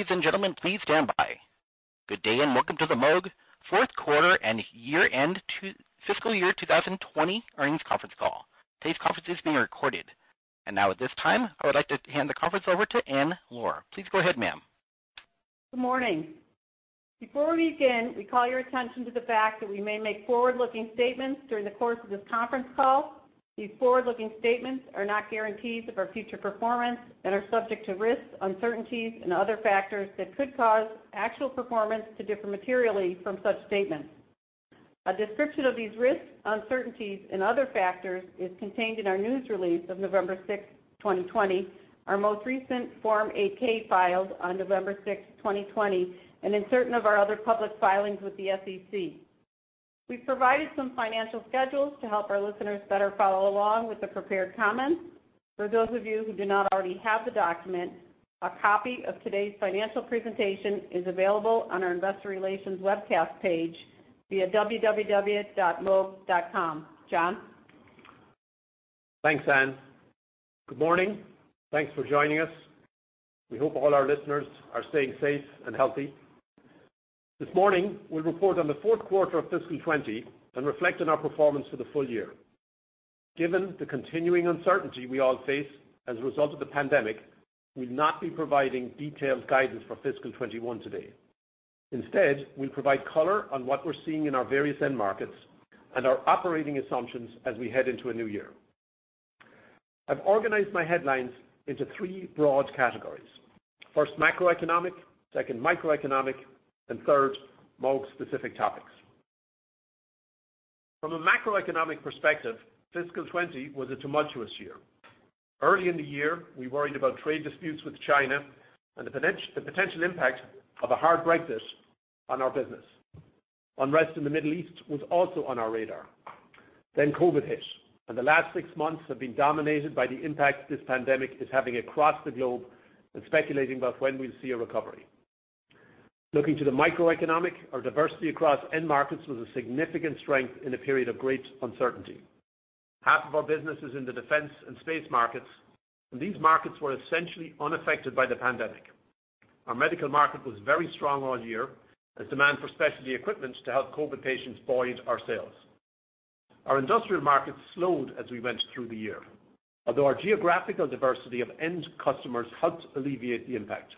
Ladies and gentlemen, please stand by. Good day, and welcome to the Moog fourth quarter and year-end fiscal year 2020 earnings conference call. Today's conference is being recorded. Now at this time, I would like to hand the conference over to Ann Luhr. Please go ahead, ma'am. Good morning. Before we begin, we call your attention to the fact that we may make forward-looking statements during the course of this conference call. These forward-looking statements are not guarantees of our future performance and are subject to risks, uncertainties, and other factors that could cause actual performance to differ materially from such statements. A description of these risks, uncertainties, and other factors is contained in our news release of November 6th, 2020, our most recent Form 8-K filed on November 6th, 2020, and in certain of our other public filings with the SEC. We've provided some financial schedules to help our listeners better follow along with the prepared comments. For those of you who do not already have the document, a copy of today's financial presentation is available on our investor relations webcast page via www.moog.com. John? Thanks, Ann. Good morning. Thanks for joining us. We hope all our listeners are staying safe and healthy. This morning, we report on the fourth quarter of fiscal 2020 and reflect on our performance for the full year. Given the continuing uncertainty we all face as a result of the pandemic, we'll not be providing detailed guidance for fiscal 2021 today. Instead, we'll provide color on what we're seeing in our various end markets and our operating assumptions as we head into a new year. I've organized my headlines into three broad categories. First, macroeconomic, second, microeconomic, and third, Moog specific topics. From a macroeconomic perspective, fiscal 2020 was a tumultuous year. Early in the year, we worried about trade disputes with China and the potential impact of a hard Brexit on our business. Unrest in the Middle East was also on our radar. COVID hit, and the last six months have been dominated by the impact this pandemic is having across the globe and speculating about when we'll see a recovery. Looking to the microeconomic, our diversity across end markets was a significant strength in a period of great uncertainty. Half of our business is in the defense and space markets, and these markets were essentially unaffected by the pandemic. Our medical market was very strong all year as demand for specialty equipment to help COVID patients buoyed our sales. Our industrial markets slowed as we went through the year, although our geographical diversity of end customers helped alleviate the impact.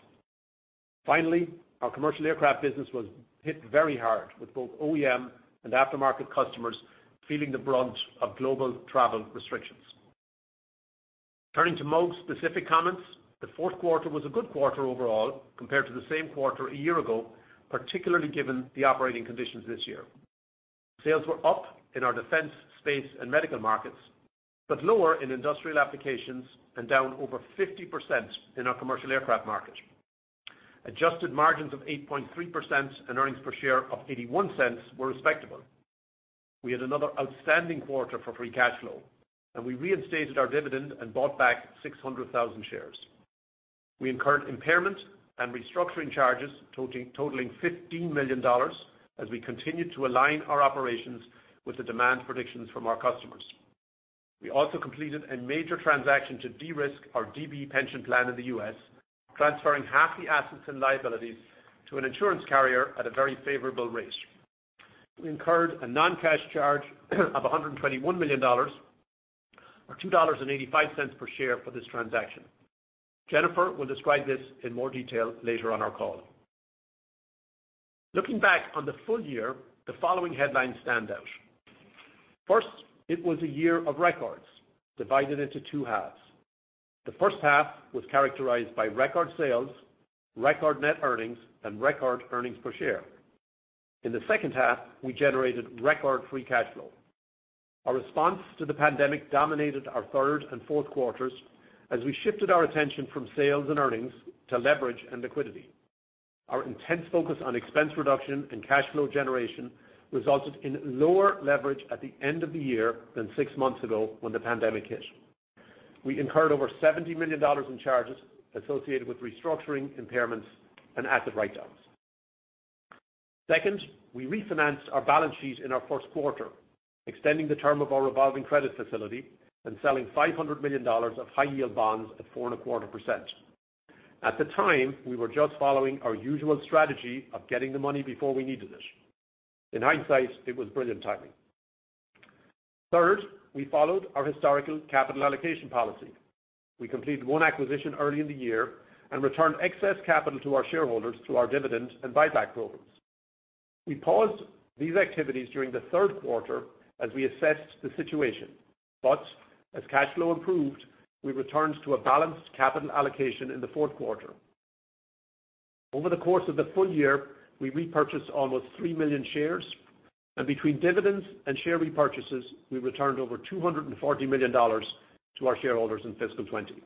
Finally, our commercial aircraft business was hit very hard with both OEM and aftermarket customers feeling the brunt of global travel restrictions. Turning to Moog's specific comments, the fourth quarter was a good quarter overall compared to the same quarter a year ago, particularly given the operating conditions this year. Sales were up in our defense, space, and medical markets, but lower in industrial applications and down over 50% in our commercial aircraft market. Adjusted margins of 8.3% and earnings per share of $0.81 were respectable. We had another outstanding quarter for free cash flow, and we reinstated our dividend and bought back 600,000 shares. We incurred impairment and restructuring charges totaling $15 million as we continued to align our operations with the demand predictions from our customers. We also completed a major transaction to de-risk our DB pension plan in the U.S., transferring half the assets and liabilities to an insurance carrier at a very favorable rate. We incurred a non-cash charge of $121 million or $2.85 per share for this transaction. Jennifer will describe this in more detail later on our call. Looking back on the full year, the following headlines stand out. First, it was a year of records divided into two halves. The first half was characterized by record sales, record net earnings, and record earnings per share. In the second half, we generated record free cash flow. Our response to the pandemic dominated our third and fourth quarters as we shifted our attention from sales and earnings to leverage and liquidity. Our intense focus on expense reduction and cash flow generation resulted in lower leverage at the end of the year than six months ago when the pandemic hit. We incurred over $70 million in charges associated with restructuring, impairments, and asset write-downs. Second, we refinanced our balance sheet in our first quarter, extending the term of our revolving credit facility and selling $500 million of high-yield bonds at 4.25%. At the time, we were just following our usual strategy of getting the money before we needed it. In hindsight, it was brilliant timing. Third, we followed our historical capital allocation policy. We completed one acquisition early in the year and returned excess capital to our shareholders through our dividend and buyback programs. We paused these activities during the third quarter as we assessed the situation, but as cash flow improved, we returned to a balanced capital allocation in the fourth quarter. Over the course of the full year, we repurchased almost 3 million shares, and between dividends and share repurchases, we returned over $240 million to our shareholders in fiscal 2020.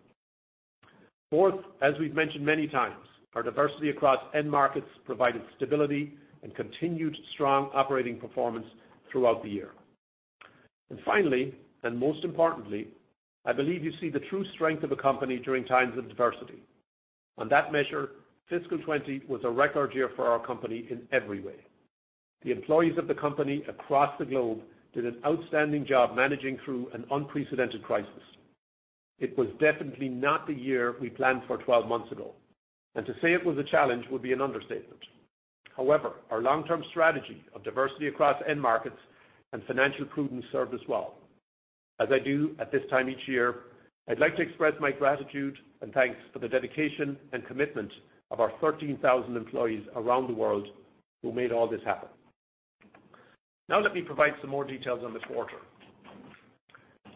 Fourth, as we've mentioned many times, our diversity across end markets provided stability and continued strong operating performance throughout the year. Finally, and most importantly, I believe you see the true strength of a company during times of adversity. On that measure, fiscal 2020 was a record year for our company in every way. The employees of the company across the globe did an outstanding job managing through an unprecedented crisis. It was definitely not the year we planned for 12 months ago, and to say it was a challenge would be an understatement. However, our long-term strategy of diversity across end markets and financial prudence served us well. As I do at this time each year, I'd like to express my gratitude and thanks for the dedication and commitment of our 13,000 employees around the world who made all this happen. Now let me provide some more details on the quarter.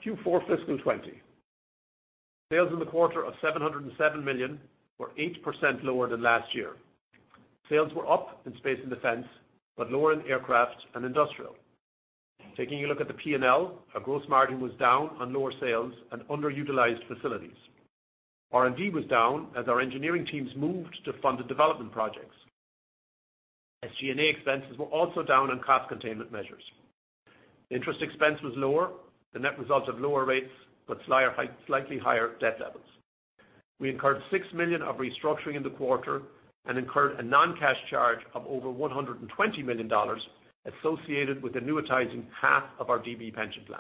Q4 fiscal 2020. Sales in the quarter of $707 million were 8% lower than last year. Sales were up in Space and Defense, but lower in aircraft and industrial. Taking a look at the P&L, our gross margin was down on lower sales and underutilized facilities. R&D was down as our engineering teams moved to funded development projects. SG&A expenses were also down on cost containment measures. Interest expense was lower. The net result of lower rates, but slightly higher debt levels. We incurred $6 million of restructuring in the quarter and incurred a non-cash charge of over $120 million associated with annuitizing half of our DB pension plan.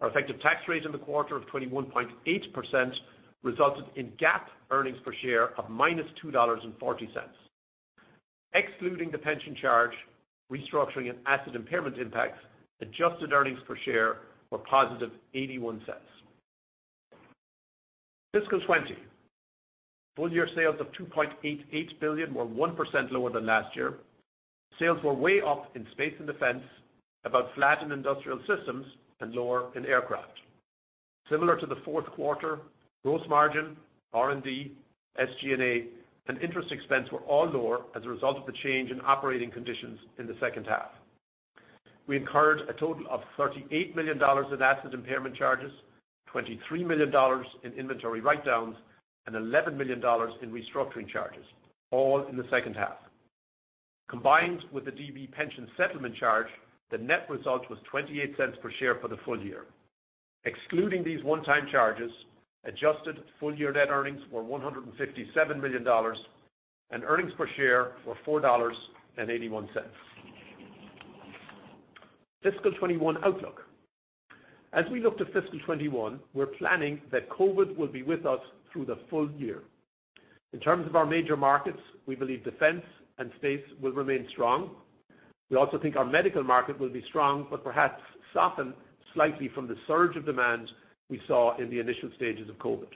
Our effective tax rate in the quarter of 21.8% resulted in GAAP earnings per share of -$2.40. Excluding the pension charge, restructuring and asset impairment impacts, adjusted earnings per share were +$0.81. Fiscal 2020. Full-year sales of $2.88 billion were 1% lower than last year. Sales were way up in Space and Defense, about flat in Industrial Systems, and lower in Aircraft. Similar to the fourth quarter, gross margin, R&D, SG&A, and interest expense were all lower as a result of the change in operating conditions in the second half. We incurred a total of $38 million in asset impairment charges, $23 million in inventory write-downs, and $11 million in restructuring charges, all in the second half. Combined with the DB pension settlement charge, the net result was $0.28 per share for the full year. Excluding these one-time charges, adjusted full-year net earnings were $157 million and earnings per share were $4.81. Fiscal 2021 outlook. As we look to fiscal 2021, we're planning that COVID will be with us through the full year. In terms of our major markets, we believe defense and space will remain strong. We also think our medical market will be strong, but perhaps soften slightly from the surge of demand we saw in the initial stages of COVID.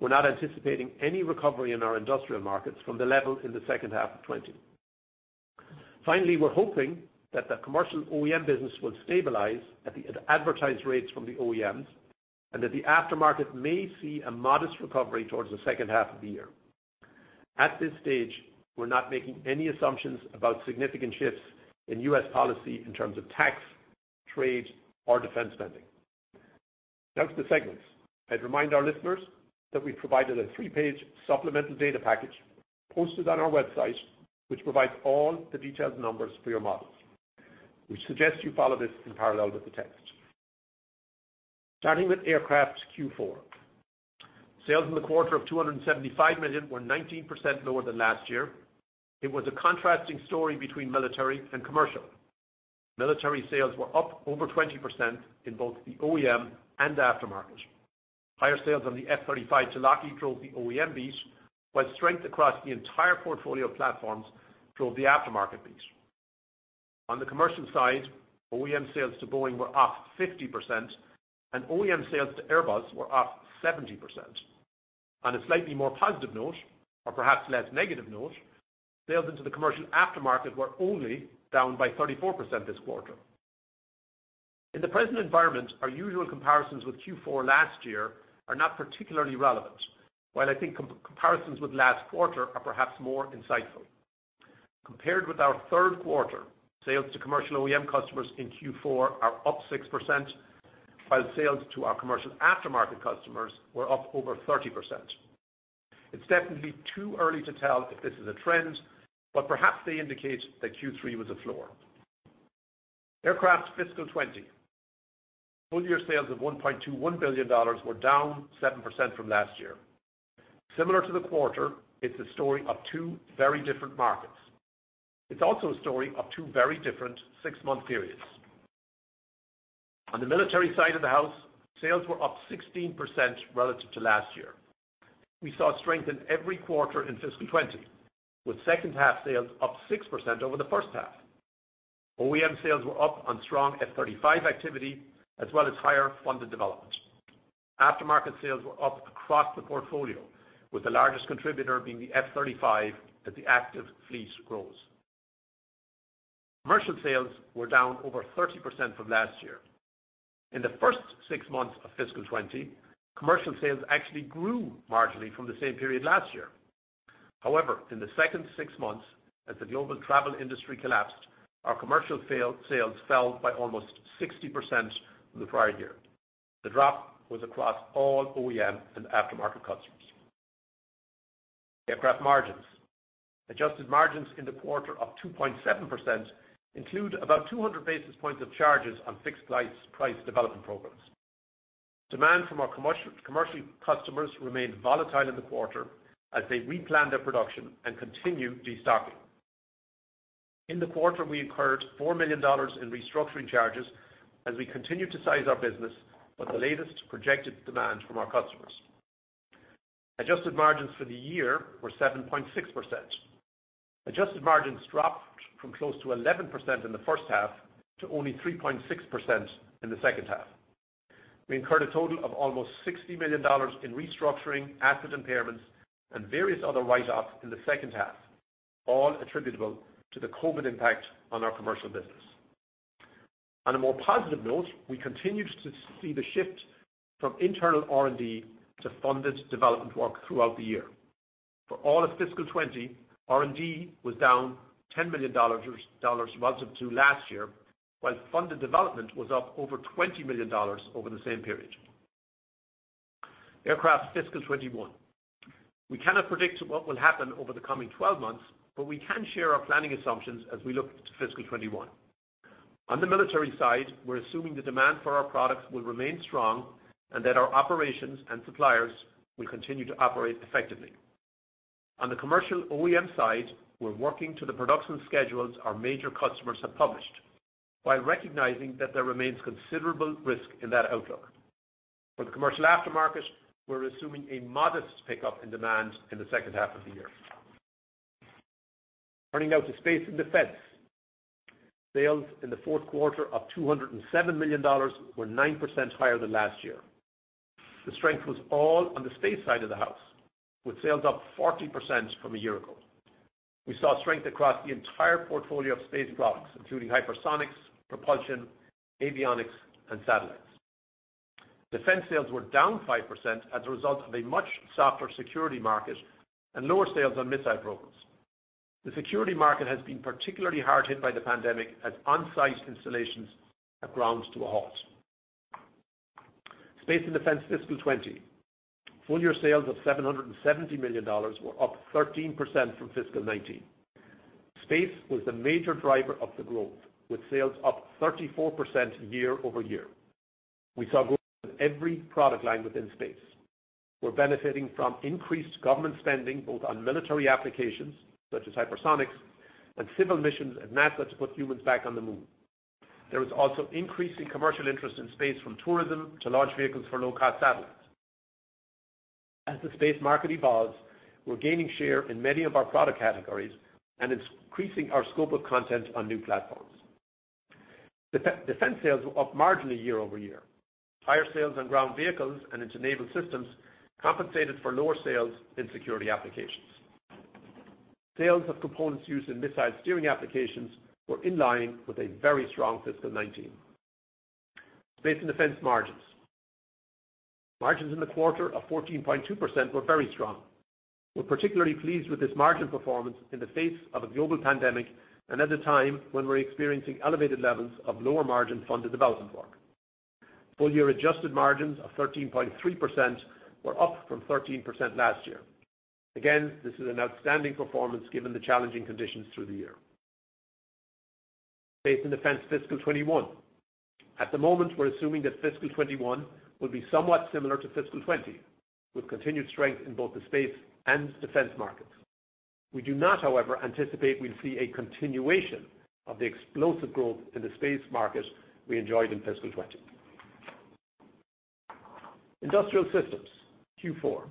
We're not anticipating any recovery in our industrial markets from the level in the second half of 2020. Finally, we're hoping that the commercial OEM business will stabilize at the advertised rates from the OEMs, and that the aftermarket may see a modest recovery towards the second half of the year. At this stage, we're not making any assumptions about significant shifts in U.S. policy in terms of tax, trade, or defense spending. Now to the segments. I'd remind our listeners that we provided a three-page supplemental data package posted on our website, which provides all the detailed numbers for your models. We suggest you follow this in parallel with the text. Starting with Aircraft's Q4. Sales in the quarter of $275 million were 19% lower than last year. It was a contrasting story between military and commercial. Military sales were up over 20% in both the OEM and the aftermarket. Higher sales on the F-35 Talahi drove the OEM beat, while strength across the entire portfolio of platforms drove the aftermarket beat. On the commercial side, OEM sales to Boeing were up 50% and OEM sales to Airbus were up 70%. On a slightly more positive note, or perhaps less negative note, sales into the commercial aftermarket were only down by 34% this quarter. In the present environment, our usual comparisons with Q4 last year are not particularly relevant, while I think comparisons with last quarter are perhaps more insightful. Compared with our third quarter, sales to commercial OEM customers in Q4 are up 6%, while sales to our commercial aftermarket customers were up over 30%. It's definitely too early to tell if this is a trend. Perhaps they indicate that Q3 was a floor. Aircraft, fiscal 2020. Full year sales of $1.21 billion were down 7% from last year. Similar to the quarter, it's a story of two very different markets. It's also a story of two very different six-month periods. On the military side of the house, sales were up 16% relative to last year. We saw strength in every quarter in fiscal 2020, with second half sales up 6% over the first half. OEM sales were up on strong F-35 activity as well as higher funded development. Aftermarket sales were up across the portfolio, with the largest contributor being the F-35 as the active fleet grows. Commercial sales were down over 30% from last year. In the first six months of fiscal 2020, commercial sales actually grew marginally from the same period last year. However, in the second six months, as the global travel industry collapsed, our commercial sales fell by almost 60% from the prior year. The drop was across all OEM and aftermarket customers. Aircraft margins. Adjusted margins in the quarter of 2.7% include about 200 basis points of charges on fixed-price development programs. Demand from our commercial customers remained volatile in the quarter as they replanned their production and continue destocking. In the quarter, we incurred $4 million in restructuring charges as we continued to size our business with the latest projected demand from our customers. Adjusted margins for the year were 7.6%. Adjusted margins dropped from close to 11% in the first half to only 3.6% in the second half. We incurred a total of almost $60 million in restructuring, asset impairments, and various other write-offs in the second half, all attributable to the COVID impact on our commercial business. On a more positive note, we continued to see the shift from internal R&D to funded development work throughout the year. For all of fiscal 2020, R&D was down $10 million relative to last year, while funded development was up over $20 million over the same period. Aircraft fiscal 2021. We cannot predict what will happen over the coming 12 months, but we can share our planning assumptions as we look to fiscal 2021. On the military side, we're assuming the demand for our products will remain strong and that our operations and suppliers will continue to operate effectively. On the commercial OEM side, we're working to the production schedules our major customers have published while recognizing that there remains considerable risk in that outlook. For the commercial aftermarket, we're assuming a modest pickup in demand in the second half of the year. Turning now to Space and Defense. Sales in the fourth quarter of $207 million were 9% higher than last year. The strength was all on the space side of the house, with sales up 40% from a year ago. We saw strength across the entire portfolio of space products, including hypersonics, propulsion, avionics, and satellites. Defense sales were down 5% as a result of a much softer security market and lower sales on missile programs. The security market has been particularly hard hit by the pandemic, as on-site installations have ground to a halt. Space and Defense fiscal 2020. Full year sales of $770 million were up 13% from fiscal 2019. Space was the major driver of the growth, with sales up 34% year-over-year. We saw growth in every product line within space. We're benefiting from increased government spending, both on military applications such as hypersonics and civil missions at NASA to put humans back on the Moon. There was also increasing commercial interest in space, from tourism to launch vehicles for low-cost satellites. As the space market evolves, we're gaining share in many of our product categories and increasing our scope of content on new platforms. Defense sales were up marginally year-over-year. Higher sales on ground vehicles and naval systems compensated for lower sales in security applications. Sales of components used in missile steering applications were in line with a very strong fiscal 2019. Space and Defense margins. Margins in the quarter of 14.2% were very strong. We're particularly pleased with this margin performance in the face of a global pandemic and at a time when we're experiencing elevated levels of lower-margin funded development work. Full-year adjusted margins of 13.3% were up from 13% last year. Again, this is an outstanding performance given the challenging conditions through the year. Space and Defense fiscal 2021. At the moment, we're assuming that fiscal 2021 will be somewhat similar to fiscal 2020, with continued strength in both the Space and Defense markets. We do not, however, anticipate we'll see a continuation of the explosive growth in the space market we enjoyed in fiscal 2020. Industrial Systems, Q4.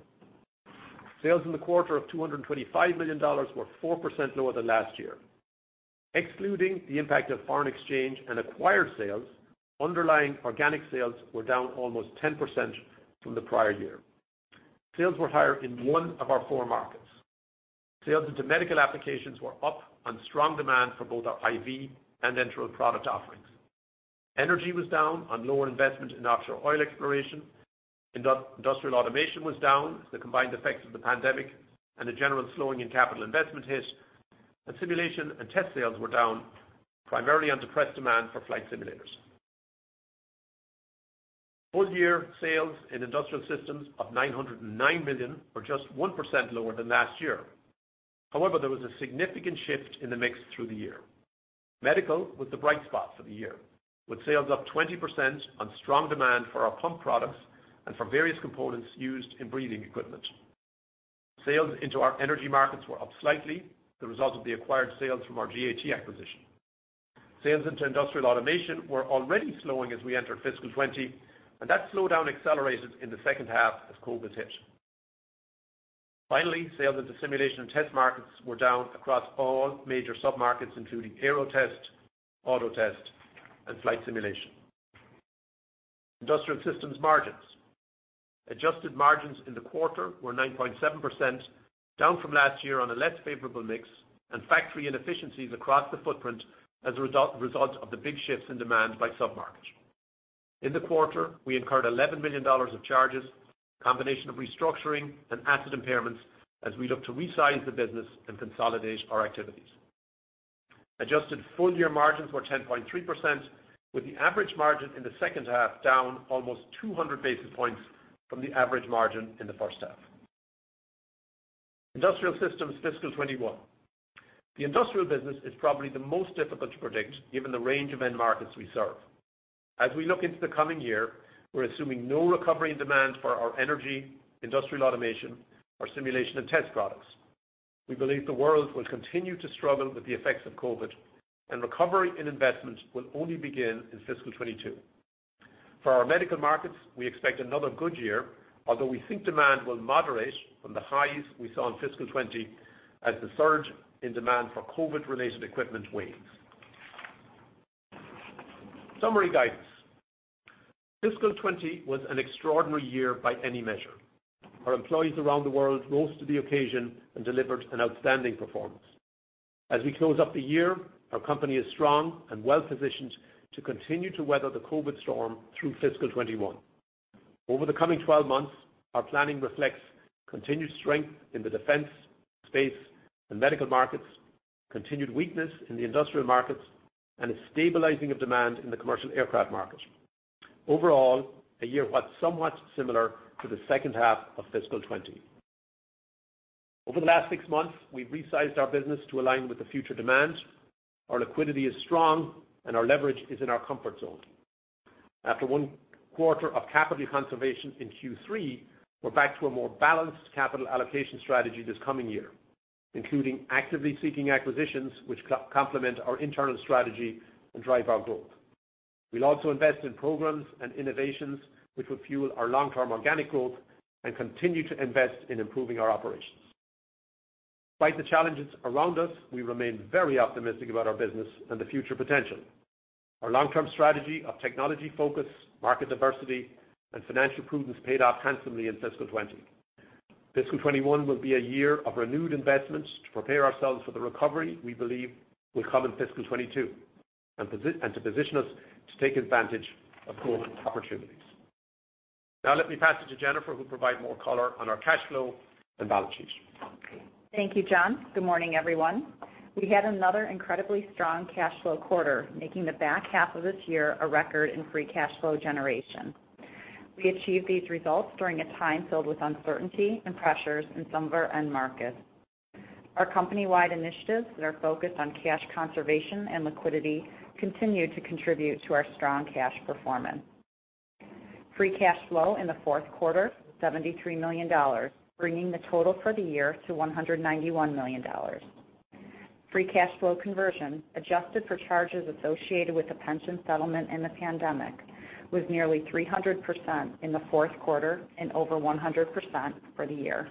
Sales in the quarter of $225 million were 4% lower than last year. Excluding the impact of foreign exchange and acquired sales, underlying organic sales were down almost 10% from the prior year. Sales were higher in one of our four markets. Sales into medical applications were up on strong demand for both our IV and enteral product offerings. Energy was down on lower investment in offshore oil exploration. Industrial automation was down as the combined effects of the pandemic and the general slowing in capital investment hit. Simulation and test sales were down primarily on depressed demand for flight simulators. Full-year sales in Industrial Systems of $909 million were just 1% lower than last year. However, there was a significant shift in the mix through the year. Medical was the bright spot for the year, with sales up 20% on strong demand for our pump products and for various components used in breathing equipment. Sales into our energy markets were up slightly, the result of the acquired sales from our GAT acquisition. Sales into industrial automation were already slowing as we entered fiscal 2020, and that slowdown accelerated in the second half as COVID hit. Finally, sales into simulation and test markets were down across all major submarkets, including aero test, auto test, and flight simulation. Industrial Systems margins. Adjusted margins in the quarter were 9.7%, down from last year on a less favorable mix and factory inefficiencies across the footprint as a result of the big shifts in demand by submarket. In the quarter, we incurred $11 million of charges, a combination of restructuring and asset impairments, as we look to resize the business and consolidate our activities. Adjusted full-year margins were 10.3%, with the average margin in the second half down almost 200 basis points from the average margin in the first half. Industrial Systems fiscal 2021. The industrial business is probably the most difficult to predict given the range of end markets we serve. As we look into the coming year, we're assuming no recovery in demand for our energy, industrial automation, or simulation and test products. We believe the world will continue to struggle with the effects of COVID, and recovery and investment will only begin in fiscal 2022. For our medical markets, we expect another good year, although we think demand will moderate from the highs we saw in fiscal 2020 as the surge in demand for COVID-related equipment wanes. Summary guidance. Fiscal 2020 was an extraordinary year by any measure. Our employees around the world rose to the occasion and delivered an outstanding performance. As we close up the year, our company is strong and well-positioned to continue to weather the COVID storm through fiscal 2021. Over the coming 12 months, our planning reflects continued strength in the defense, space, and medical markets, continued weakness in the industrial markets, and a stabilizing of demand in the commercial aircraft market. Overall, a year that's somewhat similar to the second half of fiscal 2020. Over the last six months, we've resized our business to align with the future demand. Our liquidity is strong, and our leverage is in our comfort zone. After one quarter of capital conservation in Q3, we're back to a more balanced capital allocation strategy this coming year, including actively seeking acquisitions which complement our internal strategy and drive our growth. We'll also invest in programs and innovations which will fuel our long-term organic growth and continue to invest in improving our operations. Despite the challenges around us, we remain very optimistic about our business and the future potential. Our long-term strategy of technology focus, market diversity, and financial prudence paid off handsomely in fiscal 2020. Fiscal 2021 will be a year of renewed investment to prepare ourselves for the recovery we believe will come in fiscal 2022 and to position us to take advantage of growth opportunities. Now let me pass it to Jennifer, who will provide more color on our cash flow and balance sheet. Thank you, John. Good morning, everyone. We had another incredibly strong cash flow quarter, making the back half of this year a record in free cash flow generation. We achieved these results during a time filled with uncertainty and pressures in some of our end markets. Our company-wide initiatives that are focused on cash conservation and liquidity continue to contribute to our strong cash performance. Free cash flow in the fourth quarter was $73 million, bringing the total for the year to $191 million. Free cash flow conversion, adjusted for charges associated with the pension settlement and the pandemic, was nearly 300% in the fourth quarter and over 100% for the year.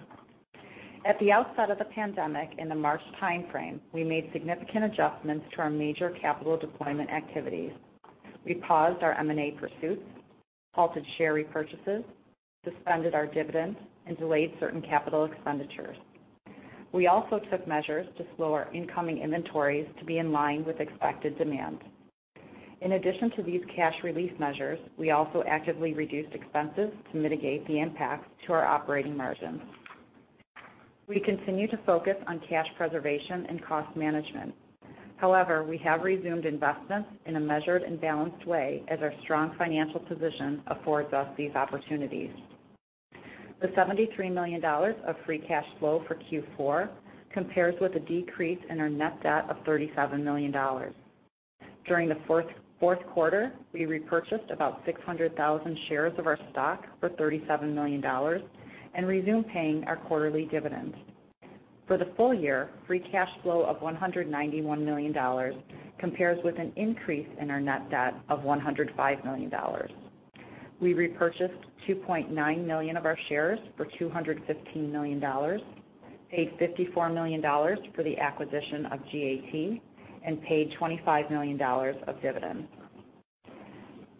At the outset of the pandemic in the March timeframe, we made significant adjustments to our major capital deployment activities. We paused our M&A pursuits, halted share repurchases, suspended our dividends, and delayed certain capital expenditures. We also took measures to slow our incoming inventories to be in line with expected demand. In addition to these cash relief measures, we also actively reduced expenses to mitigate the impact to our operating margins. We continue to focus on cash preservation and cost management. However, we have resumed investments in a measured and balanced way as our strong financial position affords us these opportunities. The $73 million of free cash flow for Q4 compares with a decrease in our net debt of $37 million. During the fourth quarter, we repurchased about 600,000 shares of our stock for $37 million and resumed paying our quarterly dividends. For the full year, free cash flow of $191 million compares with an increase in our net debt of $105 million. We repurchased 2.9 million of our shares for $215 million, paid $54 million for the acquisition of GAT, and paid $25 million of dividends.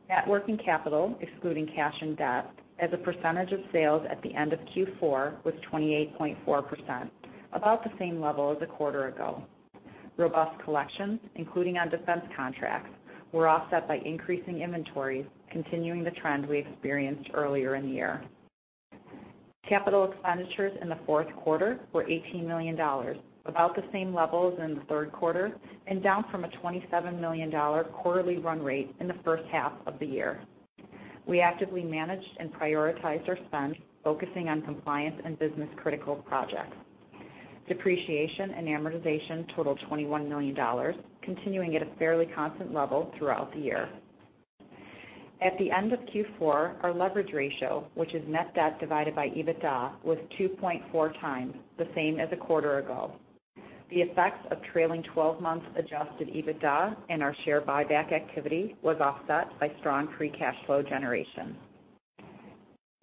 Net working capital, excluding cash and debt, as a percentage of sales at the end of Q4 was 28.4%, about the same level as a quarter ago. Robust collections, including on defense contracts, were offset by increasing inventories, continuing the trend we experienced earlier in the year. Capital expenditures in the fourth quarter were $18 million, about the same level as in the third quarter and down from a $27 million quarterly run rate in the first half of the year. We actively managed and prioritized our spend, focusing on compliance and business-critical projects. Depreciation and amortization totaled $21 million, continuing at a fairly constant level throughout the year. At the end of Q4, our leverage ratio, which is net debt divided by EBITDA, was 2.4x, the same as a quarter ago. The effects of trailing 12 months adjusted EBITDA and our share buyback activity was offset by strong free cash flow generation.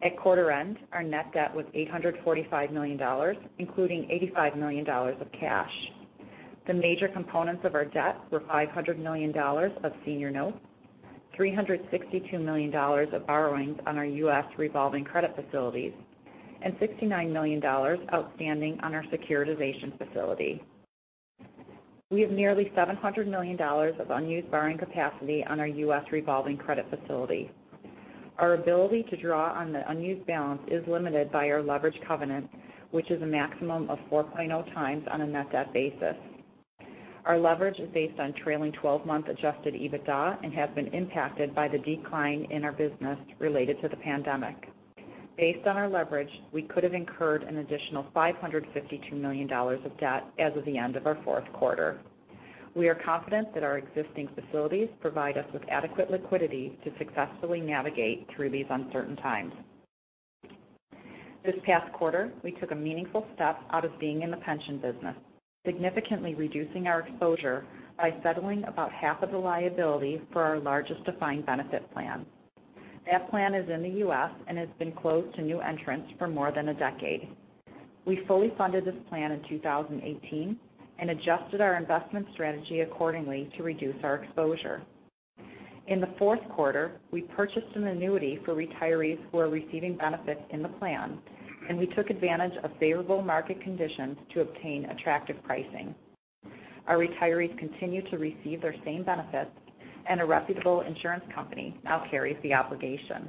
At quarter end, our net debt was $845 million, including $85 million of cash. The major components of our debt were $500 million of senior notes, $362 million of borrowings on our U.S. revolving credit facilities, and $69 million outstanding on our securitization facility. We have nearly $700 million of unused borrowing capacity on our U.S. revolving credit facility. Our ability to draw on the unused balance is limited by our leverage covenant, which is a maximum of 4.0x on a net debt basis. Our leverage is based on trailing 12-month adjusted EBITDA and has been impacted by the decline in our business related to the pandemic. Based on our leverage, we could have incurred an additional $552 million of debt as of the end of our fourth quarter. We are confident that our existing facilities provide us with adequate liquidity to successfully navigate through these uncertain times. This past quarter, we took a meaningful step out of being in the pension business, significantly reducing our exposure by settling about half of the liability for our largest defined benefit plan. That plan is in the U.S. and has been closed to new entrants for more than a decade. We fully funded this plan in 2018 and adjusted our investment strategy accordingly to reduce our exposure. In the fourth quarter, we purchased an annuity for retirees who are receiving benefits in the plan, and we took advantage of favorable market conditions to obtain attractive pricing. Our retirees continue to receive their same benefits, and a reputable insurance company now carries the obligation.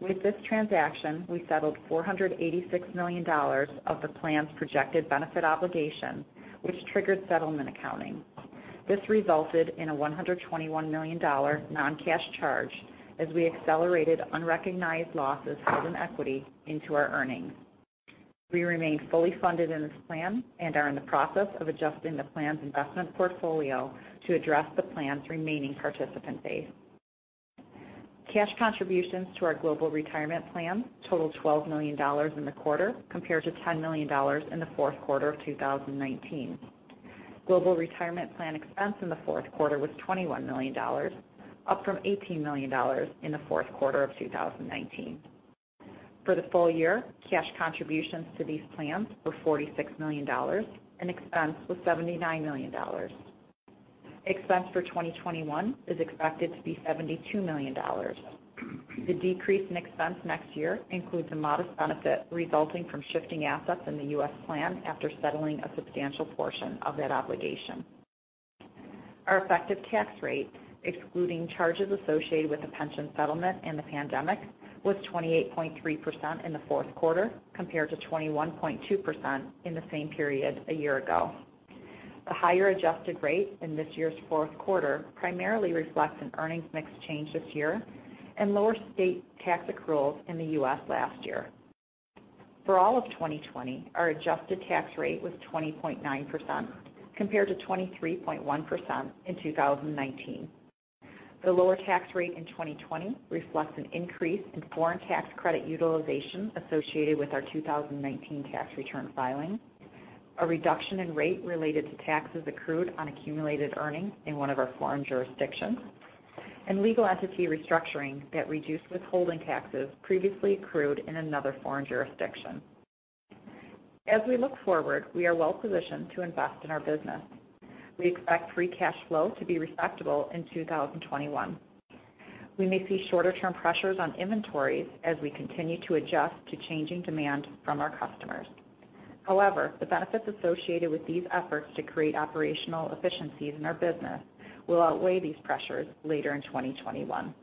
With this transaction, we settled $486 million of the plan's projected benefit obligation, which triggered settlement accounting. This resulted in a $121 million non-cash charge as we accelerated unrecognized losses held in equity into our earnings. We remain fully funded in this plan and are in the process of adjusting the plan's investment portfolio to address the plan's remaining participant base. Cash contributions to our global retirement plan totaled $12 million in the quarter, compared to $10 million in the fourth quarter of 2019. Global retirement plan expense in the fourth quarter was $21 million, up from $18 million in the fourth quarter of 2019. For the full year, cash contributions to these plans were $46 million, and expense was $79 million. Expense for 2021 is expected to be $72 million. The decrease in expense next year includes a modest benefit resulting from shifting assets in the U.S. plan after settling a substantial portion of that obligation. Our effective tax rate, excluding charges associated with the pension settlement and the pandemic, was 28.3% in the fourth quarter, compared to 21.2% in the same period a year ago. The higher adjusted rate in this year's fourth quarter primarily reflects an earnings mix change this year and lower state tax accruals in the U.S. last year. For all of 2020, our adjusted tax rate was 20.9%, compared to 23.1% in 2019. The lower tax rate in 2020 reflects an increase in foreign tax credit utilization associated with our 2019 tax return filing, a reduction in rate related to taxes accrued on accumulated earnings in one of our foreign jurisdictions, and legal entity restructuring that reduced withholding taxes previously accrued in another foreign jurisdiction. As we look forward, we are well positioned to invest in our business. We expect free cash flow to be respectable in 2021. We may see shorter-term pressures on inventories as we continue to adjust to changing demand from our customers. However, the benefits associated with these efforts to create operational efficiencies in our business will outweigh these pressures later in 2021.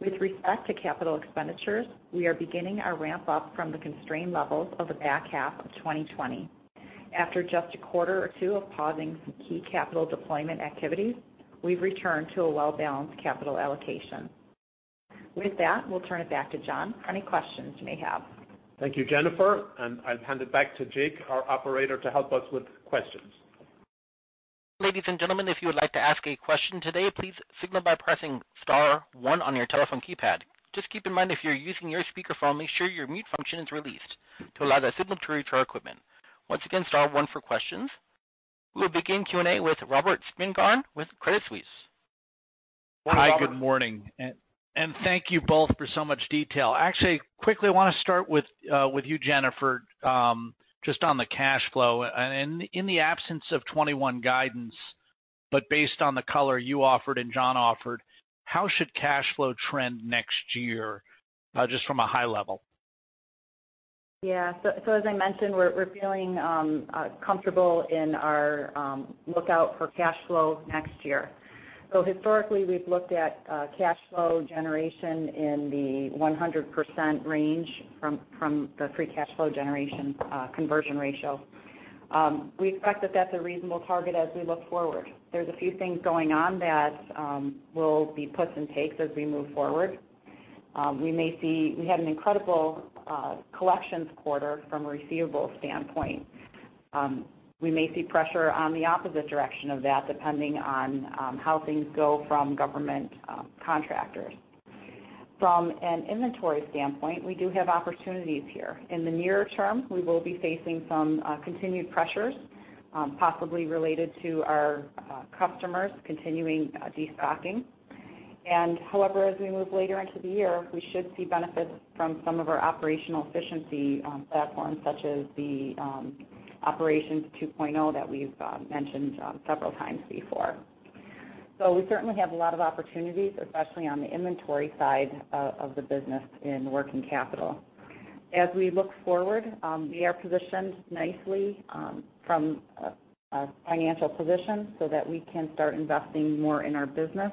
With respect to capital expenditures, we are beginning our ramp-up from the constrained levels of the back half of 2020. After just a quarter or two of pausing some key capital deployment activities, we've returned to a well-balanced capital allocation. With that, we'll turn it back to John for any questions you may have. Thank you, Jennifer, and I'll hand it back to Jake, our operator, to help us with questions. Ladies and gentlemen, if you would like to ask a question today, please signal by pressing star one on your telephone keypad. Just keep in mind if you're using your speakerphone, make sure your mute function is released to allow that signal to reach our equipment. Once again, star one for questions. We will begin Q&A with Robert Spingarn with Credit Suisse. Robert? Hi, good morning, thank you both for so much detail. Actually, quickly, I want to start with you, Jennifer, just on the cash flow. In the absence of 2021 guidance, but based on the color you offered and John offered, how should cash flow trend next year, just from a high level? Yeah. As I mentioned, we're feeling comfortable in our lookout for cash flow next year. Historically, we've looked at cash flow generation in the 100% range from the free cash flow generation conversion ratio. We expect that that's a reasonable target as we look forward. There's a few things going on that will be puts and takes as we move forward. We had an incredible collections quarter from a receivable standpoint. We may see pressure on the opposite direction of that, depending on how things go from government contractors. From an inventory standpoint, we do have opportunities here. In the near-term, we will be facing some continued pressures, possibly related to our customers continuing de-stocking. However, as we move later into the year, we should see benefits from some of our operational efficiency platforms, such as the Operations 2.0 that we've mentioned several times before. We certainly have a lot of opportunities, especially on the inventory side of the business in working capital. As we look forward, we are positioned nicely from a financial position so that we can start investing more in our business,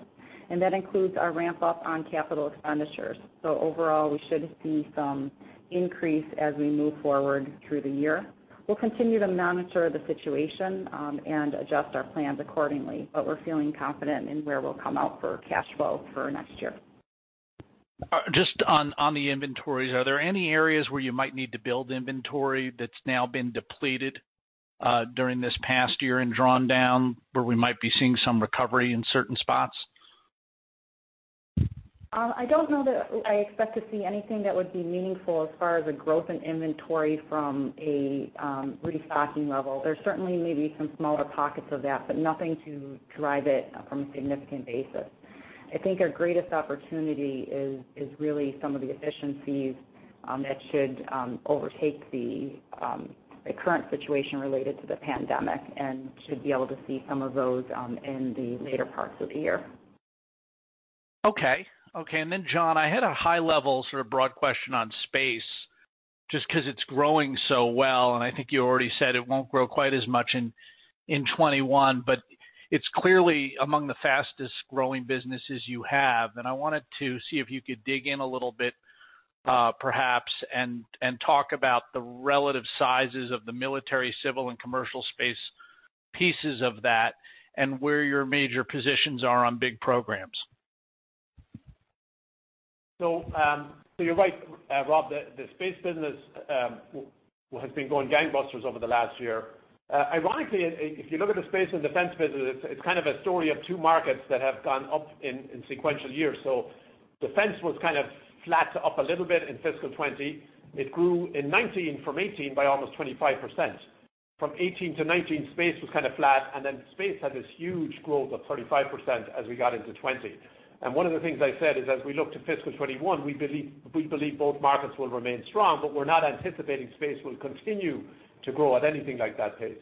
and that includes our ramp-up on capital expenditures. Overall, we should see some increase as we move forward through the year. We'll continue to monitor the situation, and adjust our plans accordingly, but we're feeling confident in where we'll come out for cash flow for next year. Just on the inventories, are there any areas where you might need to build inventory that's now been depleted during this past year and drawn down where we might be seeing some recovery in certain spots? I don't know that I expect to see anything that would be meaningful as far as a growth in inventory from a restocking level. There certainly may be some smaller pockets of that, but nothing to drive it from a significant basis. I think our greatest opportunity is really some of the efficiencies that should overtake the current situation related to the pandemic, and should be able to see some of those in the later parts of the year. Okay. John, I had a high level sort of broad question on space, just because it's growing so well, and I think you already said it won't grow quite as much in 2021. It's clearly among the fastest-growing businesses you have. I wanted to see if you could dig in a little bit, perhaps, and talk about the relative sizes of the military, civil, and commercial space pieces of that, and where your major positions are on big programs. You're right, Rob, the space business has been going gangbusters over the last year. Ironically, if you look at the Space and Defense business, it's kind of a story of two markets that have gone up in sequential years. Defense was kind of flat to up a little bit in fiscal 2020. It grew in 2019 from 2018 by almost 25%. From 2018-2019, space was kind of flat, and then space had this huge growth of 35% as we got into 2020. One of the things I said is, as we look to fiscal 2021, we believe both markets will remain strong, but we're not anticipating space will continue to grow at anything like that pace.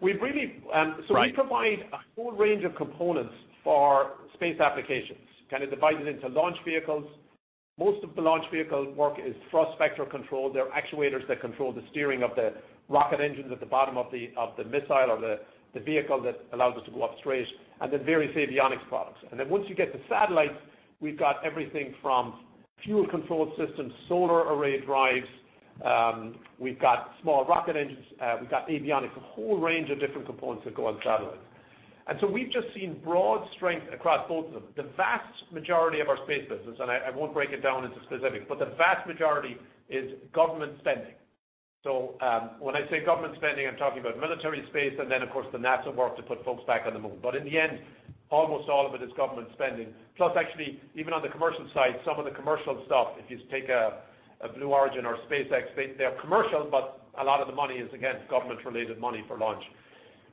We provide a whole range of components for space applications, kind of divided into launch vehicles. Most of the launch vehicle work is thrust vector control. They're actuators that control the steering of the rocket engines at the bottom of the missile or the vehicle that allows us to go upstairs, and then various avionics products. Once you get to satellites, we've got everything from fuel control systems, solar array drives. We've got small rocket engines. We've got avionics, a whole range of different components that go on satellites. We've just seen broad strength across both of them. The vast majority of our space business, and I won't break it down into specifics, but the vast majority is government spending. When I say government spending, I'm talking about military space, and then, of course, the NASA work to put folks back on the moon. In the end, almost all of it is government spending. Actually, even on the commercial side, some of the commercial stuff, if you take a Blue Origin or SpaceX, they are commercial, but a lot of the money is, again, government-related money for launch.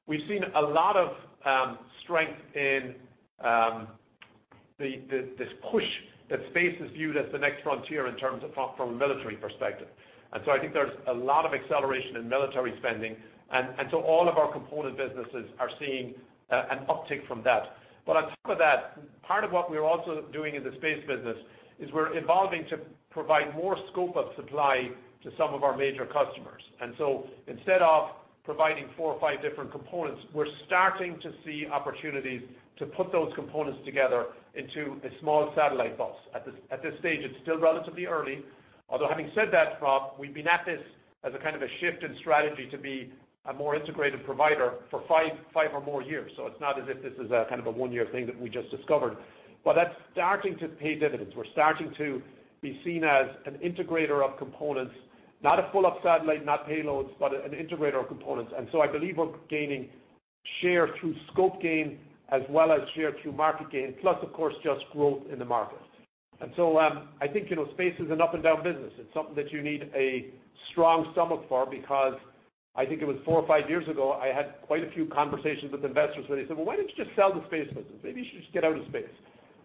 We've seen a lot of strength in this push that space is viewed as the next frontier in terms of from a military perspective. I think there's a lot of acceleration in military spending, and so all of our component businesses are seeing an uptick from that. On top of that, part of what we're also doing in the space business is we're evolving to provide more scope of supply to some of our major customers. Instead of providing four or five different components, we're starting to see opportunities to put those components together into a small satellite box. At this stage, it's still relatively early, although having said that, Rob, we've been at this as a kind of a shift in strategy to be a more integrated provider for five or more years. It's not as if this is a kind of a one-year thing that we just discovered. That's starting to pay dividends. We're starting to be seen as an integrator of components, not a full satellite, not payloads, but an integrator of components. I believe we're gaining share through scope gain as well as share through market gain, plus, of course, just growth in the market. I think space is an up-and-down business. It's something that you need a strong stomach for because I think it was four or five years ago, I had quite a few conversations with investors where they said, "Well, why don't you just sell the space business? Maybe you should just get out of space."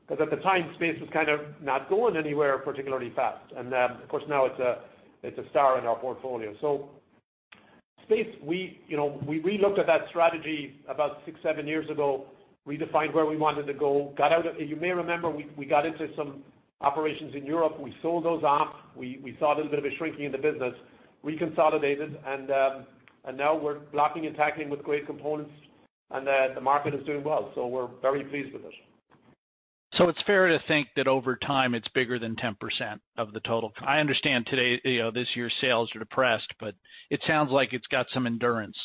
Because at the time, space was kind of not going anywhere particularly fast. Of course, now it's a star in our portfolio. Space, we relooked at that strategy about six, seven years ago, redefined where we wanted to go. You may remember, we got into some operations in Europe. We sold those off. We saw a little bit of a shrinking in the business. Reconsolidated, and now we're blocking and tackling with great components, and the market is doing well. We're very pleased with it. It's fair to think that over time, it's bigger than 10% of the total. I understand today, this year's sales are depressed, but it sounds like it's got some endurance